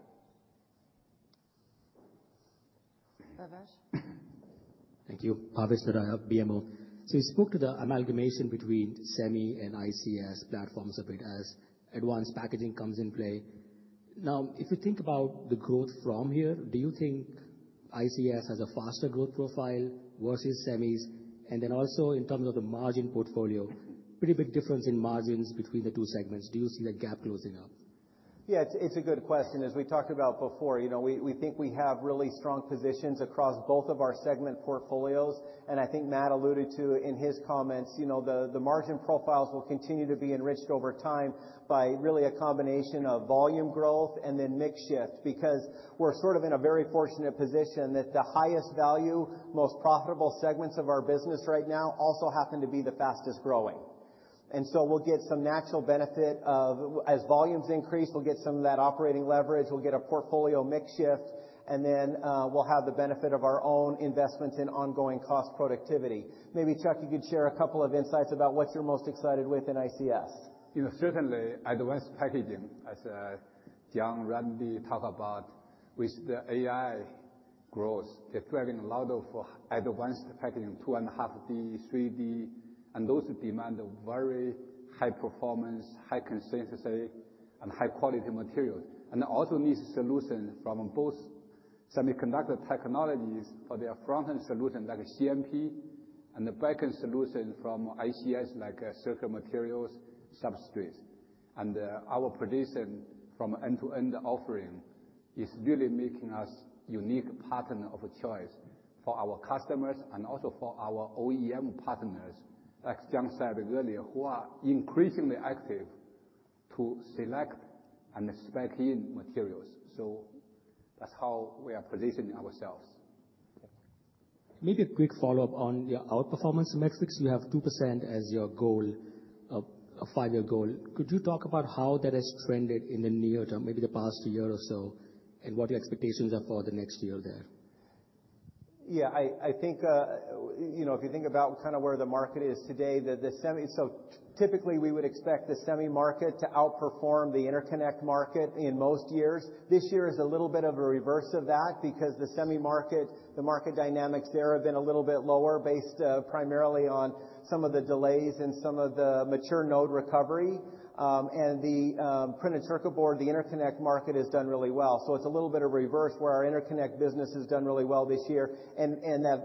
Bhavesh? Thank you. Bhavesh, BMO Capital Markets. So you spoke to the amalgamation between semi and ICS platforms a bit as advanced packaging comes into play. Now, if you think about the growth from here, do you think ICS has a faster growth profile versus semis? And then also in terms of the margin profile, pretty big difference in margins between the two segments. Do you see that gap closing up? Yeah, it's a good question. As we talked about before, we think we have really strong positions across both of our segment portfolios. And I think Matt alluded to in his comments, the margin profiles will continue to be enriched over time by really a combination of volume growth and then mix shift, because we're sort of in a very fortunate position that the highest value, most profitable segments of our business right now also happen to be the fastest growing. And so we'll get some natural benefit of as volumes increase, we'll get some of that operating leverage, we'll get a portfolio mix shift, and then we'll have the benefit of our own investments in ongoing cost productivity. Maybe Chuck, you could share a couple of insights about what you're most excited with in ICS. Certainly, advanced packaging, as Jon, Randy talk about, with the AI growth, they're thriving a lot of advanced packaging, 2.5D, 3D, and those demand very high performance, high consistency, and high quality materials. And also needs solutions from both Semiconductor Technologies for their front-end solution like CMP and the back-end solution from ICS like circuit materials substrates. And our position from end-to-end offering is really making us a unique partner of choice for our customers and also for our OEM partners like Jon said earlier, who are increasingly active to select and spec in materials. So that's how we are positioning ourselves. Maybe a quick follow-up on your outperformance metrics. You have 2% as your goal, a five-year goal. Could you talk about how that has trended in the near term, maybe the past year or so, and what your expectations are for the next year there? Yeah, I think if you think about kind of where the market is today, so typically we would expect the semi market to outperform the interconnect market in most years. This year is a little bit of a reverse of that because the semi market, the market dynamics there have been a little bit lower based primarily on some of the delays and some of the mature node recovery. And the printed circuit board, the interconnect market has done really well. So it's a little bit of reverse where our interconnect business has done really well this year. And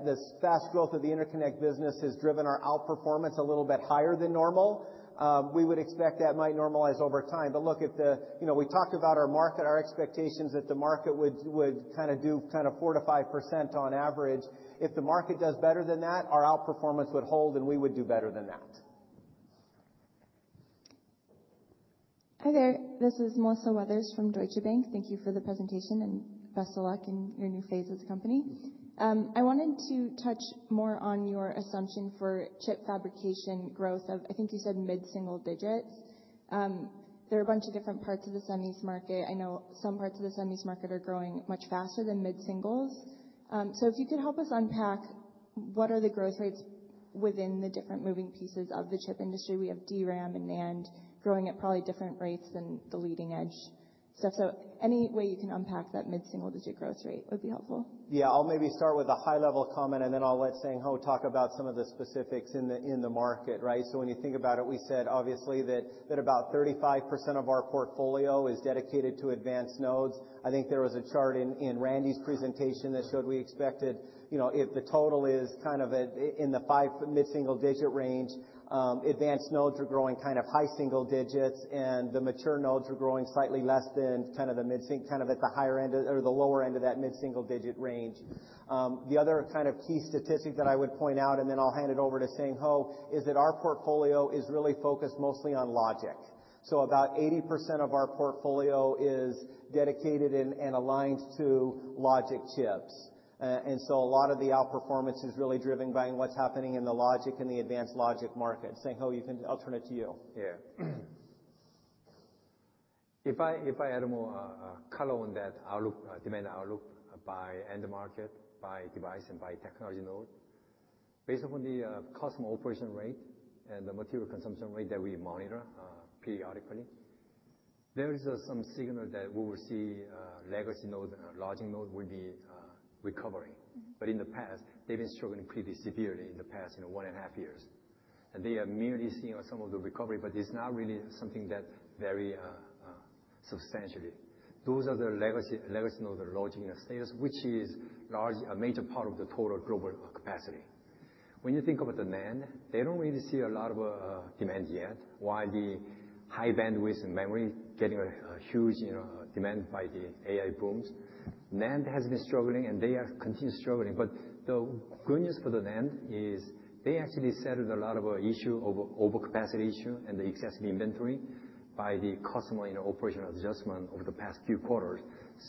this fast growth of the interconnect business has driven our outperformance a little bit higher than normal. We would expect that might normalize over time. But look, we talked about our market, our expectations that the market would kind of do kind of 4%-5% on average. If the market does better than that, our outperformance would hold and we would do better than that. Hi there, this is Melissa Weathers from Deutsche Bank. Thank you for the presentation and best of luck in your new phase as a company. I wanted to touch more on your assumption for chip fabrication growth of, I think you said mid-single digits. There are a bunch of different parts of the semis market. I know some parts of the semis market are growing much faster than mid-singles. So if you could help us unpack what are the growth rates within the different moving pieces of the chip industry, we have DRAM and NAND growing at probably different rates than the leading-edge stuff. So any way you can unpack that mid-single digit growth rate would be helpful. Yeah, I'll maybe start with a high-level comment and then I'll let Sang Ho talk about some of the specifics in the market. So when you think about it, we said obviously that about 35% of our portfolio is dedicated to advanced nodes. I think there was a chart in Randy's presentation that showed we expected if the total is kind of in the mid-single digit range, advanced nodes are growing kind of high single digits and the mature nodes are growing slightly less than kind of the mid-single, kind of at the higher end or the lower end of that mid-single digit range. The other kind of key statistic that I would point out, and then I'll hand it over to Sang Ho, is that our portfolio is really focused mostly on logic. So about 80% of our portfolio is dedicated and aligned to logic chips. And so a lot of the outperformance is really driven by what's happening in the logic and the advanced logic market. Sang Ho Kang, I'll turn it to you. Yeah. If I add more color on that demand outlook by end market, by device and by technology node, based on the customer operation rate and the material consumption rate that we monitor periodically, there is some signal that we will see legacy nodes, logic nodes will be recovering, but in the past, they've been struggling pretty severely in the past one and a half years, and they are merely seeing some of the recovery, but it's not really something that very substantially. Those are the legacy nodes and logic in the status, which is a major part of the total global capacity. When you think about the NAND, they don't really see a lot of demand yet. While the High Bandwidth Memory getting a huge demand by the AI booms, NAND has been struggling and they are continuing struggling. But the good news for the NAND is they actually settled a lot of issue over capacity issue and the excessive inventory by the customer operational adjustment over the past few quarters.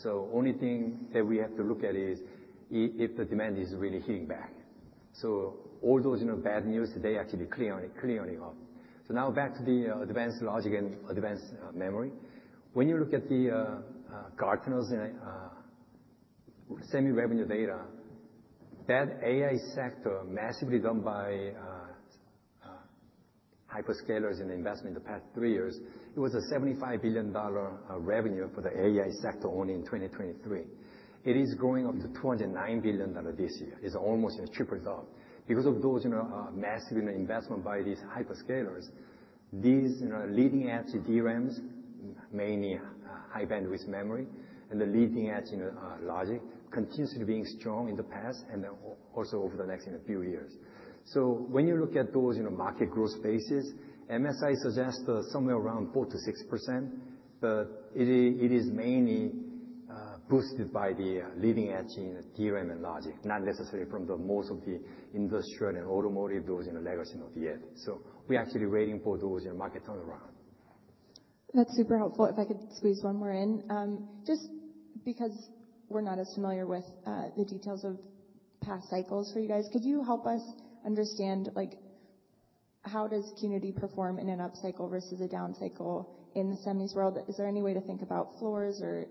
So only thing that we have to look at is if the demand is really hitting back. So all those bad news, they actually clear on it. So now back to the advanced logic and advanced memory. When you look at the Gartner's semi revenue data, that AI sector massively done by hyperscalers and investment in the past three years, it was a $75 billion revenue for the AI sector only in 2023. It is growing up to $209 billion this year. It's almost tripled up. Because of those massive investment by these hyperscalers, these leading-edge DRAMs, mainly high- bandwidth memory, and the leading-edge logic continues to be strong in the past and also over the next few years. So when you look at those market growth spaces, MSI suggests somewhere around 4%-6%, but it is mainly boosted by the leading-edge in DRAM and logic, not necessarily from most of the industrial and automotive those in the legacy node yet. So we're actually waiting for those markets to turn around. That's super helpful. If I could squeeze one more in. Just because we're not as familiar with the details of past cycles for you guys, could you help us understand how does Qnity perform in an upcycle versus a downcycle in the semis world? Is there any way to think about floors or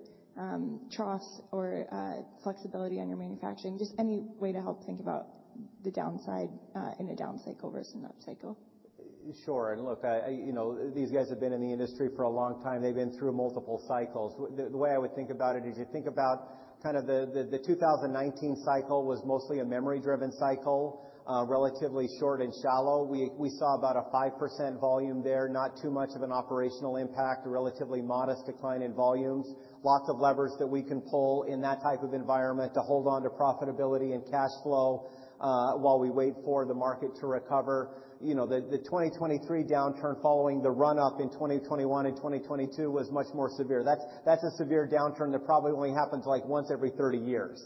troughs or flexibility on your manufacturing? Just any way to help think about the downside in a downcycle versus an upcycle? Sure. And look, these guys have been in the industry for a long time. They've been through multiple cycles. The way I would think about it is you think about kind of the 2019 cycle was mostly a memory-driven cycle, relatively short and shallow. We saw about a 5% volume there, not too much of an operational impact, a relatively modest decline in volumes, lots of levers that we can pull in that type of environment to hold on to profitability and cash flow while we wait for the market to recover. The 2023 downturn following the run-up in 2021 and 2022 was much more severe. That's a severe downturn that probably only happens like once every 30 years.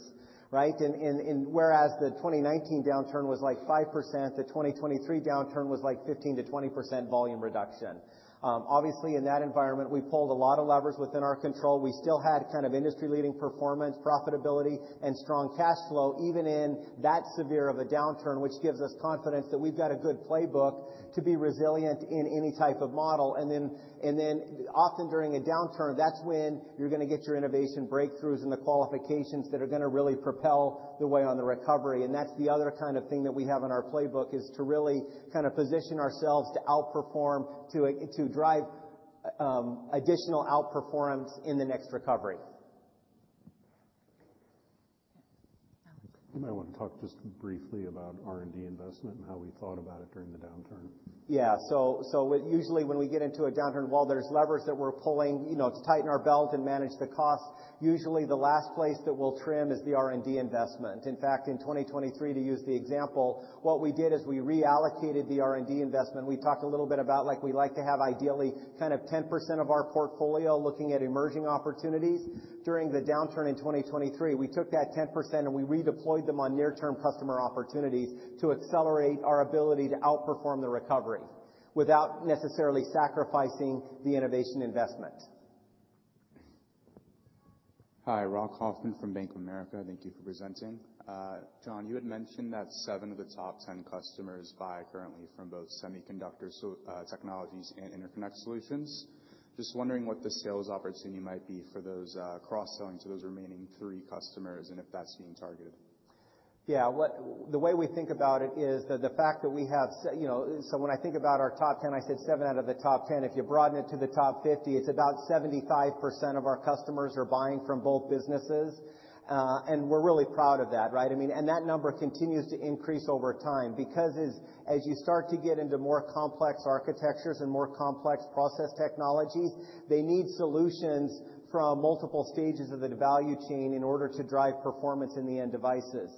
Whereas the 2019 downturn was like 5%, the 2023 downturn was like 15%-20% volume reduction. Obviously, in that environment, we pulled a lot of levers within our control. We still had kind of industry-leading performance, profitability, and strong cash flow even in that severe of a downturn, which gives us confidence that we've got a good playbook to be resilient in any type of model. And then often during a downturn, that's when you're going to get your innovation breakthroughs and the qualifications that are going to really propel the way on the recovery. And that's the other kind of thing that we have in our playbook is to really kind of position ourselves to outperform, to drive additional outperformance in the next recovery. You might want to talk just briefly about R&D investment and how we thought about it during the downturn. Yeah, so usually when we get into a downturn, while there's levers that we're pulling to tighten our belt and manage the cost, usually the last place that we'll trim is the R&D investment. In fact, in 2023, to use the example, what we did is we reallocated the R&D investment. We talked a little bit about we like to have ideally kind of 10% of our portfolio looking at emerging opportunities. During the downturn in 2023, we took that 10% and we redeployed them on near-term customer opportunities to accelerate our ability to outperform the recovery without necessarily sacrificing the innovation investment. Hi, Rock Hoffman from Bank of America. Thank you for presenting. Jon, you had mentioned that seven of the top 10 customers buy currently from both Semiconductor Technologies and Interconnect Solutions. Just wondering what the sales opportunity might be for those cross-selling to those remaining three customers and if that's being targeted? Yeah, the way we think about it is that the fact that we have so when I think about our top 10, I said seven out of the top 10. If you broaden it to the top 50, it's about 75% of our customers are buying from both businesses. And we're really proud of that. And that number continues to increase over time because as you start to get into more complex architectures and more complex process technologies, they need solutions from multiple stages of the value chain in order to drive performance in the end devices.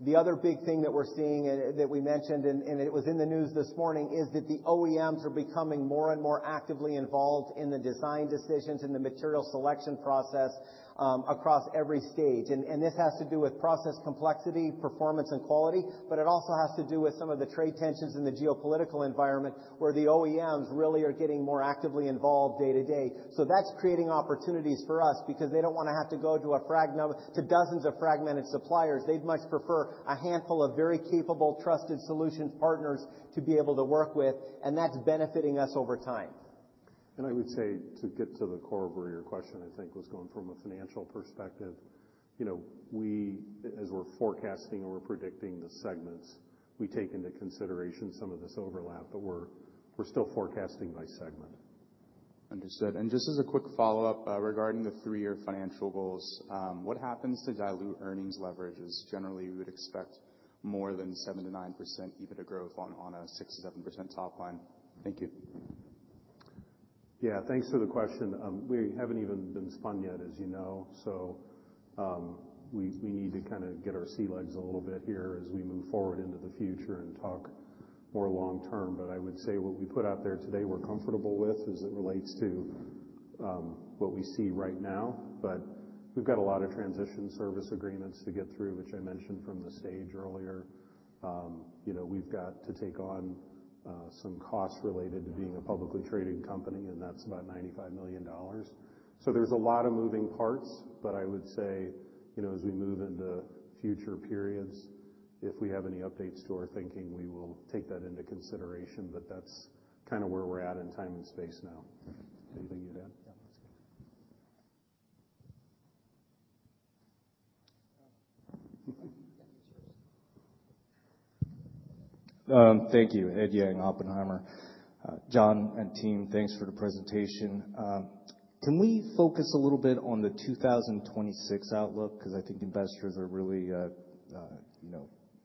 The other big thing that we're seeing that we mentioned and it was in the news this morning is that the OEMs are becoming more and more actively involved in the design decisions and the material selection process across every stage. And this has to do with process complexity, performance, and quality, but it also has to do with some of the trade tensions in the geopolitical environment where the OEMs really are getting more actively involved day to day. So that's creating opportunities for us because they don't want to have to go to dozens of fragmented suppliers. They'd much prefer a handful of very capable, trusted solutions partners to be able to work with, and that's benefiting us over time. And I would say to get to the core of your question, I think was going from a financial perspective, as we're forecasting or we're predicting the segments, we take into consideration some of this overlap, but we're still forecasting by segment. Understood. And just as a quick follow-up regarding the three-year financial goals, what happens to diluted earnings leverage is generally we would expect more than 7%-9% EBITDA growth on a 6%-7% top line. Thank you. Yeah, thanks for the question. We haven't even been spun yet, as you know. So we need to kind of get our sea legs a little bit here as we move forward into the future and talk more long term. But I would say what we put out there today we're comfortable with as it relates to what we see right now. But we've got a lot of transition service agreements to get through, which I mentioned from the stage earlier. We've got to take on some costs related to being a publicly traded company, and that's about $95 million. So there's a lot of moving parts, but I would say as we move into future periods, if we have any updates to our thinking, we will take that into consideration. But that's kind of where we're at in time and space now. Anything you'd add? Yeah, that's good. Thank you. Edward Yang, Oppenheimer. Jon and team, thanks for the presentation. Can we focus a little bit on the 2026 outlook? Because I think investors are really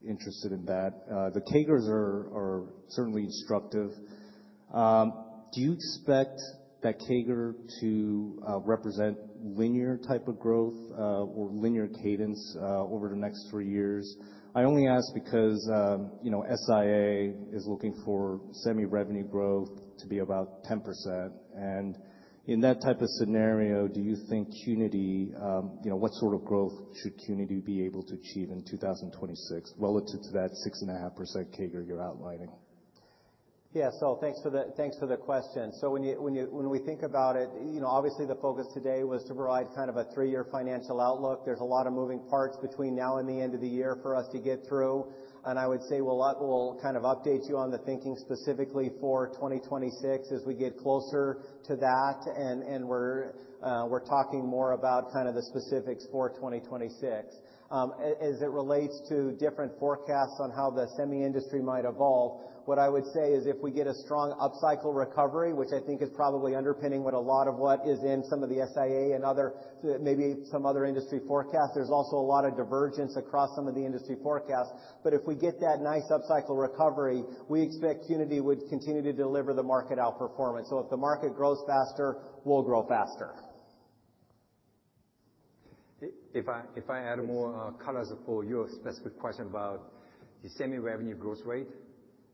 interested in that. The CAGRs are certainly instructive. Do you expect that CAGR to represent linear type of growth or linear cadence over the next three years? I only ask because SIA is looking for semi revenue growth to be about 10%. And in that type of scenario, do you think Qnity, what sort of growth should Qnity be able to achieve in 2026 relative to that 6.5% CAGR you're outlining? Yeah, so thanks for the question. So when we think about it, obviously the focus today was to provide kind of a three-year financial outlook. There's a lot of moving parts between now and the end of the year for us to get through. And I would say we'll kind of update you on the thinking specifically for 2026 as we get closer to that. And we're talking more about kind of the specifics for 2026. As it relates to different forecasts on how the semi industry might evolve, what I would say is if we get a strong upcycle recovery, which I think is probably underpinning what a lot of what is in some of the SIA and maybe some other industry forecasts, there's also a lot of divergence across some of the industry forecasts. But if we get that nice upcycle recovery, we expect Qnity would continue to deliver the market outperformance. So if the market grows faster, we'll grow faster. If I add more colors for your specific question about the semi revenue growth rate,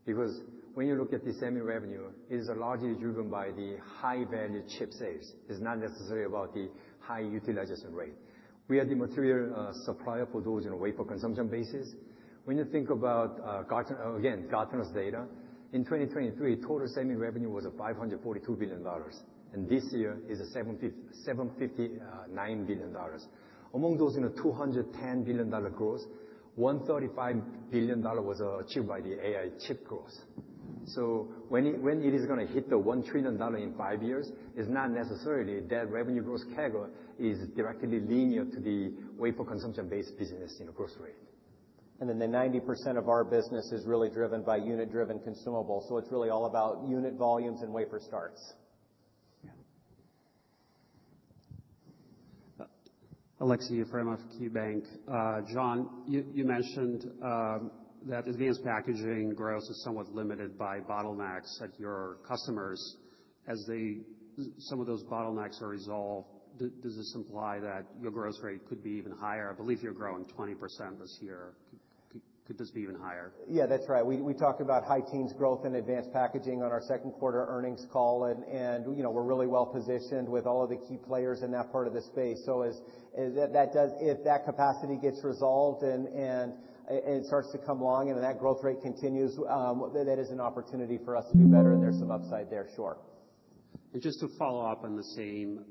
because when you look at the semi revenue, it is largely driven by the high value chip sales. It's not necessarily about the high utilization rate. We are the material supplier for those in a wafer consumption basis. When you think about, again, Gartner's data, in 2023, total semi revenue was $542 billion. And this year is $759 billion. Among those $210 billion growth, $135 billion was achieved by the AI chip growth. So when it is going to hit the $1 trillion in five years, it's not necessarily that revenue growth CAGR is directly linear to the wafer consumption base business growth rate. The 90% of our business is really driven by unit-driven consumables. It's really all about unit volumes and wafer starts. Yeah. Aleksey Yefremov, you're from KeyBanc. Jon, you mentioned that advanced packaging growth is somewhat limited by bottlenecks at your customers. As some of those bottlenecks are resolved, does this imply that your growth rate could be even higher? I believe you're growing 20% this year. Could this be even higher? Yeah, that's right. We talked about high teens growth in advanced packaging on our second quarter earnings call, and we're really well positioned with all of the key players in that part of the space, so if that capacity gets resolved and it starts to come along and that growth rate continues, that is an opportunity for us to do better, and there's some upside there, sure. Just to follow up on the same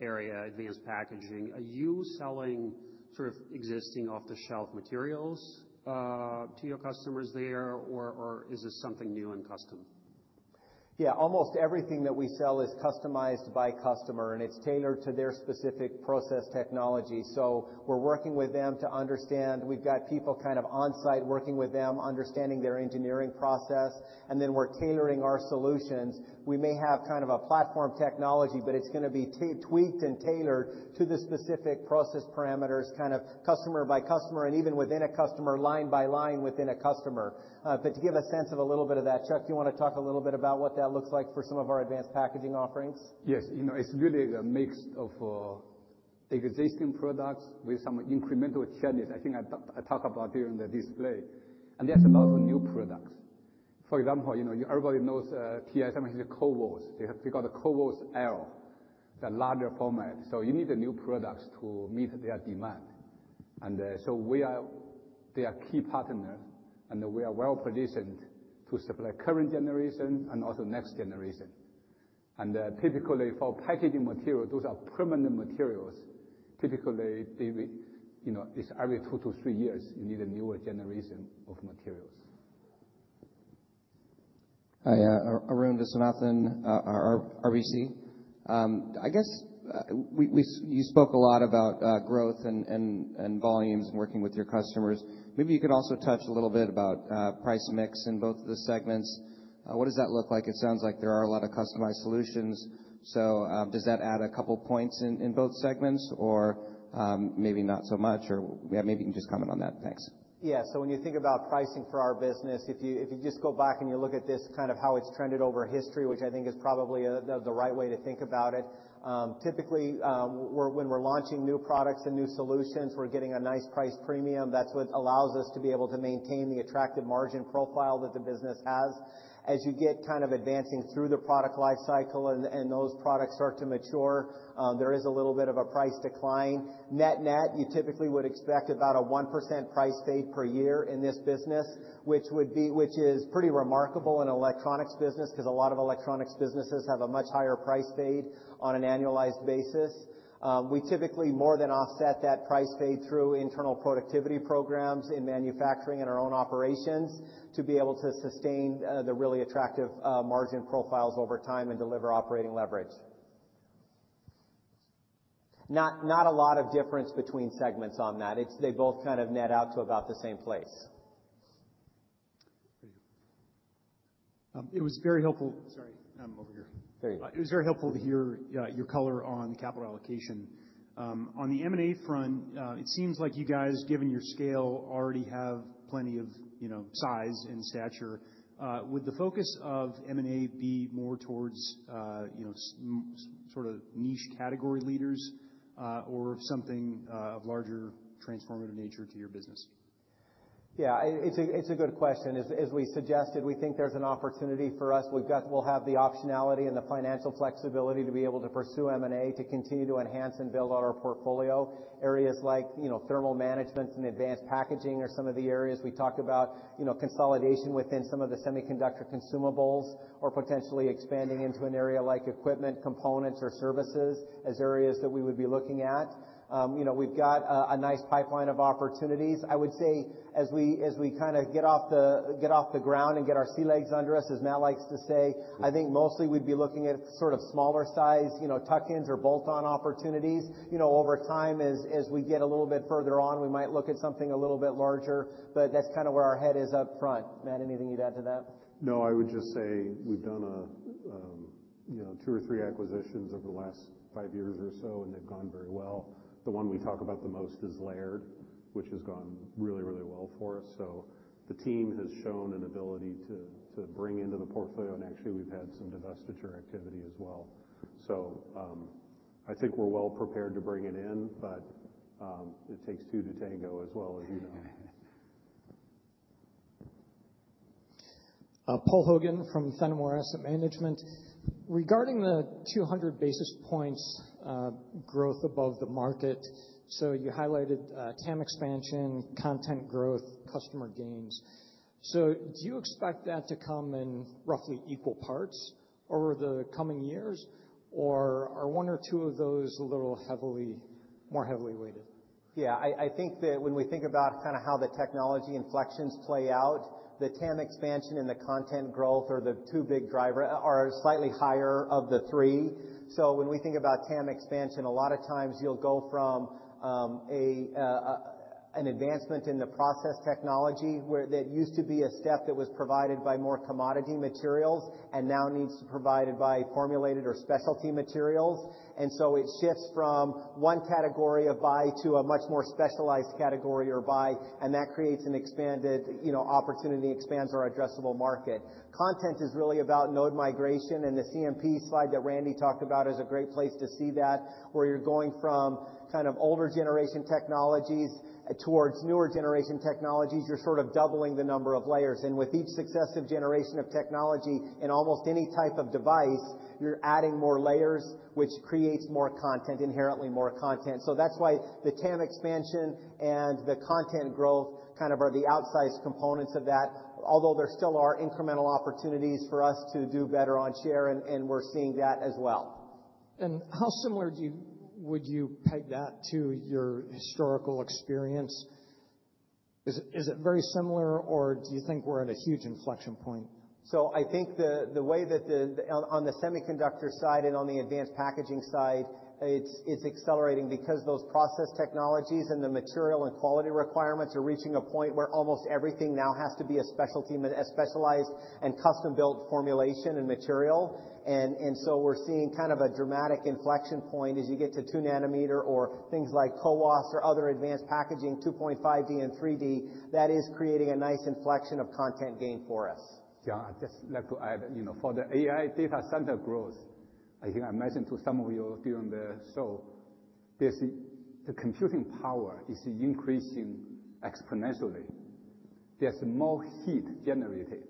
area, advanced packaging, are you selling sort of existing off-the-shelf materials to your customers there, or is this something new and custom? Yeah, almost everything that we sell is customized by customer, and it's tailored to their specific process technology. So we're working with them to understand. We've got people kind of on site working with them, understanding their engineering process, and then we're tailoring our solutions. We may have kind of a platform technology, but it's going to be tweaked and tailored to the specific process parameters, kind of customer by customer and even within a customer, line by line within a customer. But to give a sense of a little bit of that, Chuck, do you want to talk a little bit about what that looks like for some of our advanced packaging offerings? Yes. It's really a mix of existing products with some incremental challenges. I think I talked about during the display, and there's a lot of new products. For example, everybody knows TSMC CoWoS. They got a CoWoS-L, the larger format. So you need a new product to meet their demand, and so they are key partners, and we are well positioned to supply current generation and also next generation. Typically for packaging material, those are permanent materials. Typically, it's every two to three years you need a newer generation of materials. Hi, Arun Viswanathan, RBC Capital Markets. I guess you spoke a lot about growth and volumes and working with your customers. Maybe you could also touch a little bit about price mix in both of the segments. What does that look like? It sounds like there are a lot of customized solutions. So does that add a couple of points in both segments, or maybe not so much? Or maybe you can just comment on that. Thanks. Yeah, so when you think about pricing for our business, if you just go back and you look at this kind of how it's trended over history, which I think is probably the right way to think about it, typically when we're launching new products and new solutions, we're getting a nice price premium. That's what allows us to be able to maintain the attractive margin profile that the business has. As you get kind of advancing through the product life cycle and those products start to mature, there is a little bit of a price decline. Net net, you typically would expect about a 1% price fade per year in this business, which is pretty remarkable in an electronics business because a lot of electronics businesses have a much higher price fade on an annualized basis. We typically more than offset that price fade through internal productivity programs in manufacturing and our own operations to be able to sustain the really attractive margin profiles over time and deliver operating leverage. Not a lot of difference between segments on that. They both kind of net out to about the same place. It was very helpful. Sorry, I'm over here It was very helpful to hear your color on the capital allocation. On the M&A front, it seems like you guys, given your scale, already have plenty of size and stature. Would the focus of M&A be more towards sort of niche category leaders or something of larger transformative nature to your business? Yeah, it's a good question. As we suggested, we think there's an opportunity for us. We'll have the optionality and the financial flexibility to be able to pursue M&A to continue to enhance and build on our portfolio. Areas like thermal management and advanced packaging are some of the areas we talk about. Consolidation within some of the semiconductor consumables or potentially expanding into an area like equipment, components, or services as areas that we would be looking at. We've got a nice pipeline of opportunities. I would say as we kind of get off the ground and get our sea legs under us, as Matt likes to say, I think mostly we'd be looking at sort of smaller size tuck-ins or bolt-on opportunities. Over time, as we get a little bit further on, we might look at something a little bit larger, but that's kind of where our head is up front. Matt, anything you'd add to that? No, I would just say we've done two or three acquisitions over the last five years or so, and they've gone very well. The one we talk about the most is Laird, which has gone really, really well for us. So the team has shown an ability to bring into the portfolio, and actually we've had some divestiture activity as well. So I think we're well prepared to bring it in, but it takes two to tango as well, as you know. Paul Hogan from Fenimore Asset Management. Regarding the 200 basis points growth above the market, so you highlighted TAM expansion, content growth, customer gains. So do you expect that to come in roughly equal parts over the coming years, or are one or two of those a little more heavily weighted? Yeah, I think that when we think about kind of how the technology inflections play out, the TAM expansion and the content growth are the two big drivers, are slightly higher of the three. So when we think about TAM expansion, a lot of times you'll go from an advancement in the process technology that used to be a step that was provided by more commodity materials and now needs to be provided by formulated or specialty materials. And so it shifts from one category of buy to a much more specialized category or buy, and that creates an expanded opportunity, expands our addressable market. Content is really about node migration, and the CMP Slide that Randy talked about is a great place to see that, where you're going from kind of older generation technologies towards newer generation technologies, you're sort of doubling the number of layers. With each successive generation of technology in almost any type of device, you're adding more layers, which creates more content, inherently more content. That's why the TAM expansion and the content growth kind of are the outsized components of that, although there still are incremental opportunities for us to do better on share, and we're seeing that as well. How similar would you peg that to your historical experience? Is it very similar, or do you think we're at a huge inflection point? So I think the way that on the semiconductor side and on the advanced packaging side, it's accelerating because those process technologies and the material and quality requirements are reaching a point where almost everything now has to be a specialized and custom-built formulation and material. And so we're seeing kind of a dramatic inflection point as you get to 2 nm or things like CoWoS or other advanced packaging, 2.5D and 3D. That is creating a nice inflection of content gain for us. Jon, I'd just like to add, for the AI data center growth, I think I mentioned to some of you during the show, the computing power is increasing exponentially. There's more heat generated,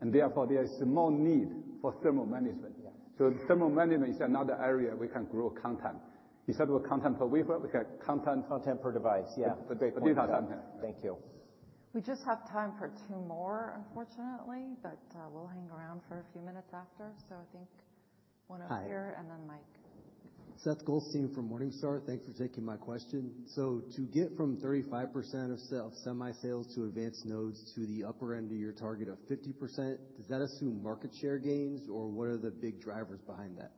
and therefore there's more need for thermal management, so thermal management is another area we can grow content. Instead of a content per wafer, we can content. Content per device, yeah. The data center. Thank you. We just have time for two more, unfortunately, but we'll hang around for a few minutes after. So I think one up here and then Mike. Seth Goldstein from Morningstar. Thanks for taking my question. So to get from 35% of semi sales to advanced nodes to the upper end of your target of 50%, does that assume market share gains, or what are the big drivers behind that?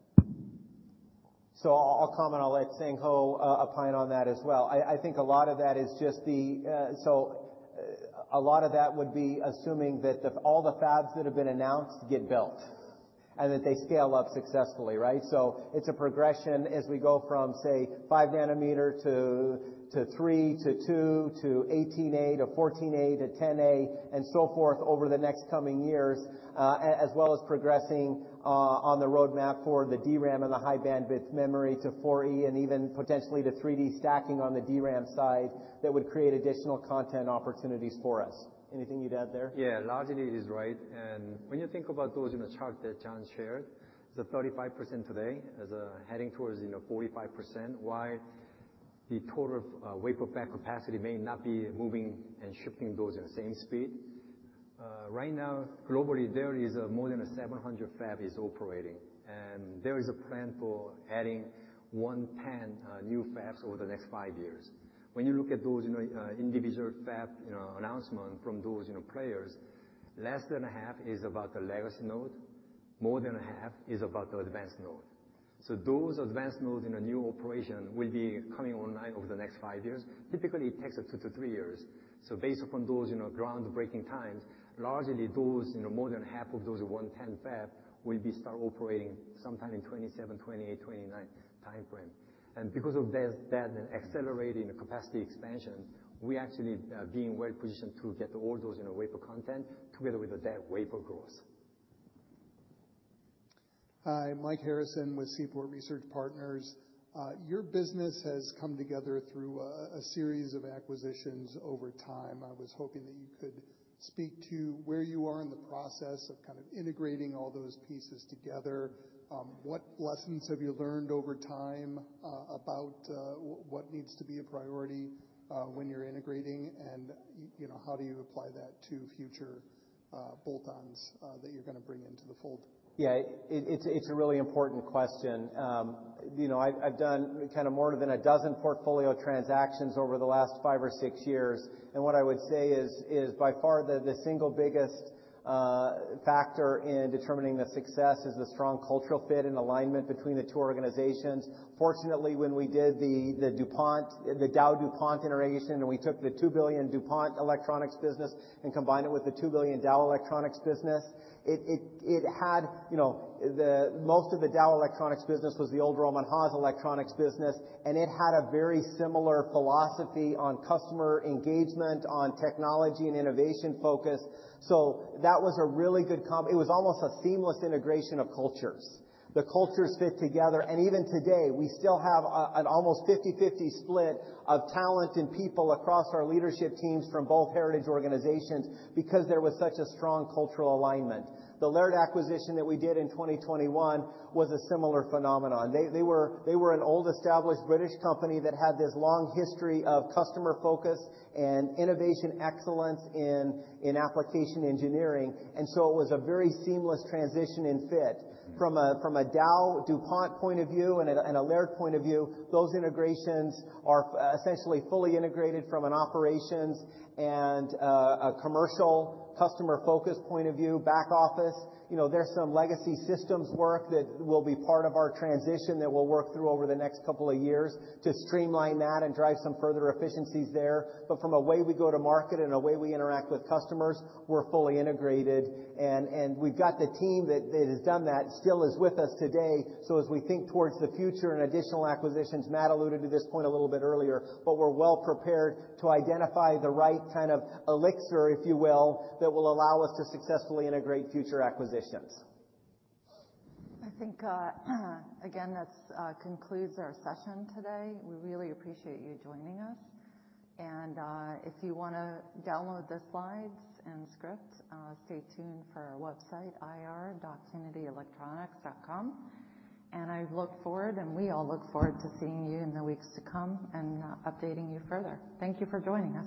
So I'll comment on that, saying Sang Ho, opine on that as well. I think a lot of that is just, so a lot of that would be assuming that all the fabs that have been announced get built and that they scale up successfully, right? So it's a progression as we go from, say, 5 nm to 3 nm to 2 nm to 18A to 14A to 10A and so forth over the next coming years, as well as progressing on the roadmap for the DRAM and the High Bandwidth Memory to 4E and even potentially to 3D stacking on the DRAM side that would create additional content opportunities for us. Anything you'd add there? Yeah, largely it is right. When you think about those in the chart that Jon shared, it's a 35% today as heading towards 45%, while the total wafer fab capacity may not be moving and shipping those same speed. Right now, globally, there is more than 700 fabs operating, and there is a plan for adding 110 new fabs over the next five years. When you look at those individual fab announcements from those players, less than half is about the legacy node. More than half is about the advanced node. So those advanced nodes in a new operation will be coming online over the next five years. Typically, it takes two to three years. So based upon those groundbreaking times, largely those more than half of those 110 fabs will start operating sometime in 2027, 2028, 2029 timeframe. Because of that and accelerating capacity expansion, we actually are being well positioned to get all those wafer content together with that wafer growth. Hi, Mike Harrison with Seaport Research Partners. Your business has come together through a series of acquisitions over time. I was hoping that you could speak to where you are in the process of kind of integrating all those pieces together. What lessons have you learned over time about what needs to be a priority when you're integrating, and how do you apply that to future bolt-ons that you're going to bring into the fold? Yeah, it's a really important question. I've done kind of more than a dozen portfolio transactions over the last five or six years. And what I would say is, by far, the single biggest factor in determining the success is the strong cultural fit and alignment between the two organizations. Fortunately, when we did the DowDuPont integration and we took the $2 billion DuPont electronics business and combined it with the $2 billion Dow electronics business, it had most of the Dow electronics business was the Rohm and Haas electronics business, and it had a very similar philosophy on customer engagement, on technology and innovation focus. So that was a really good combination. It was almost a seamless integration of cultures. The cultures fit together. Even today, we still have an almost 50/50 split of talent and people across our leadership teams from both heritage organizations because there was such a strong cultural alignment. The Laird acquisition that we did in 2021 was a similar phenomenon. They were an old-established British company that had this long history of customer focus and innovation excellence in application engineering, and so it was a very seamless transition and fit. From a DowDuPont point of view and a Laird point of view, those integrations are essentially fully integrated from an operations and a commercial customer-focused point of view, back office. There's some legacy systems work that will be part of our transition that we'll work through over the next couple of years to streamline that and drive some further efficiencies there. From a way we go to market and a way we interact with customers, we're fully integrated. We've got the team that has done that, still is with us today. As we think towards the future and additional acquisitions, Matt alluded to this point a little bit earlier, but we're well prepared to identify the right kind of elixir, if you will, that will allow us to successfully integrate future acquisitions. I think, again, this concludes our session today. We really appreciate you joining us, and if you want to download the Slides and script, stay tuned for our website, ir.qnityelectronics.com, and I look forward, and we all look forward to seeing you in the weeks to come and updating you further. Thank you for joining us.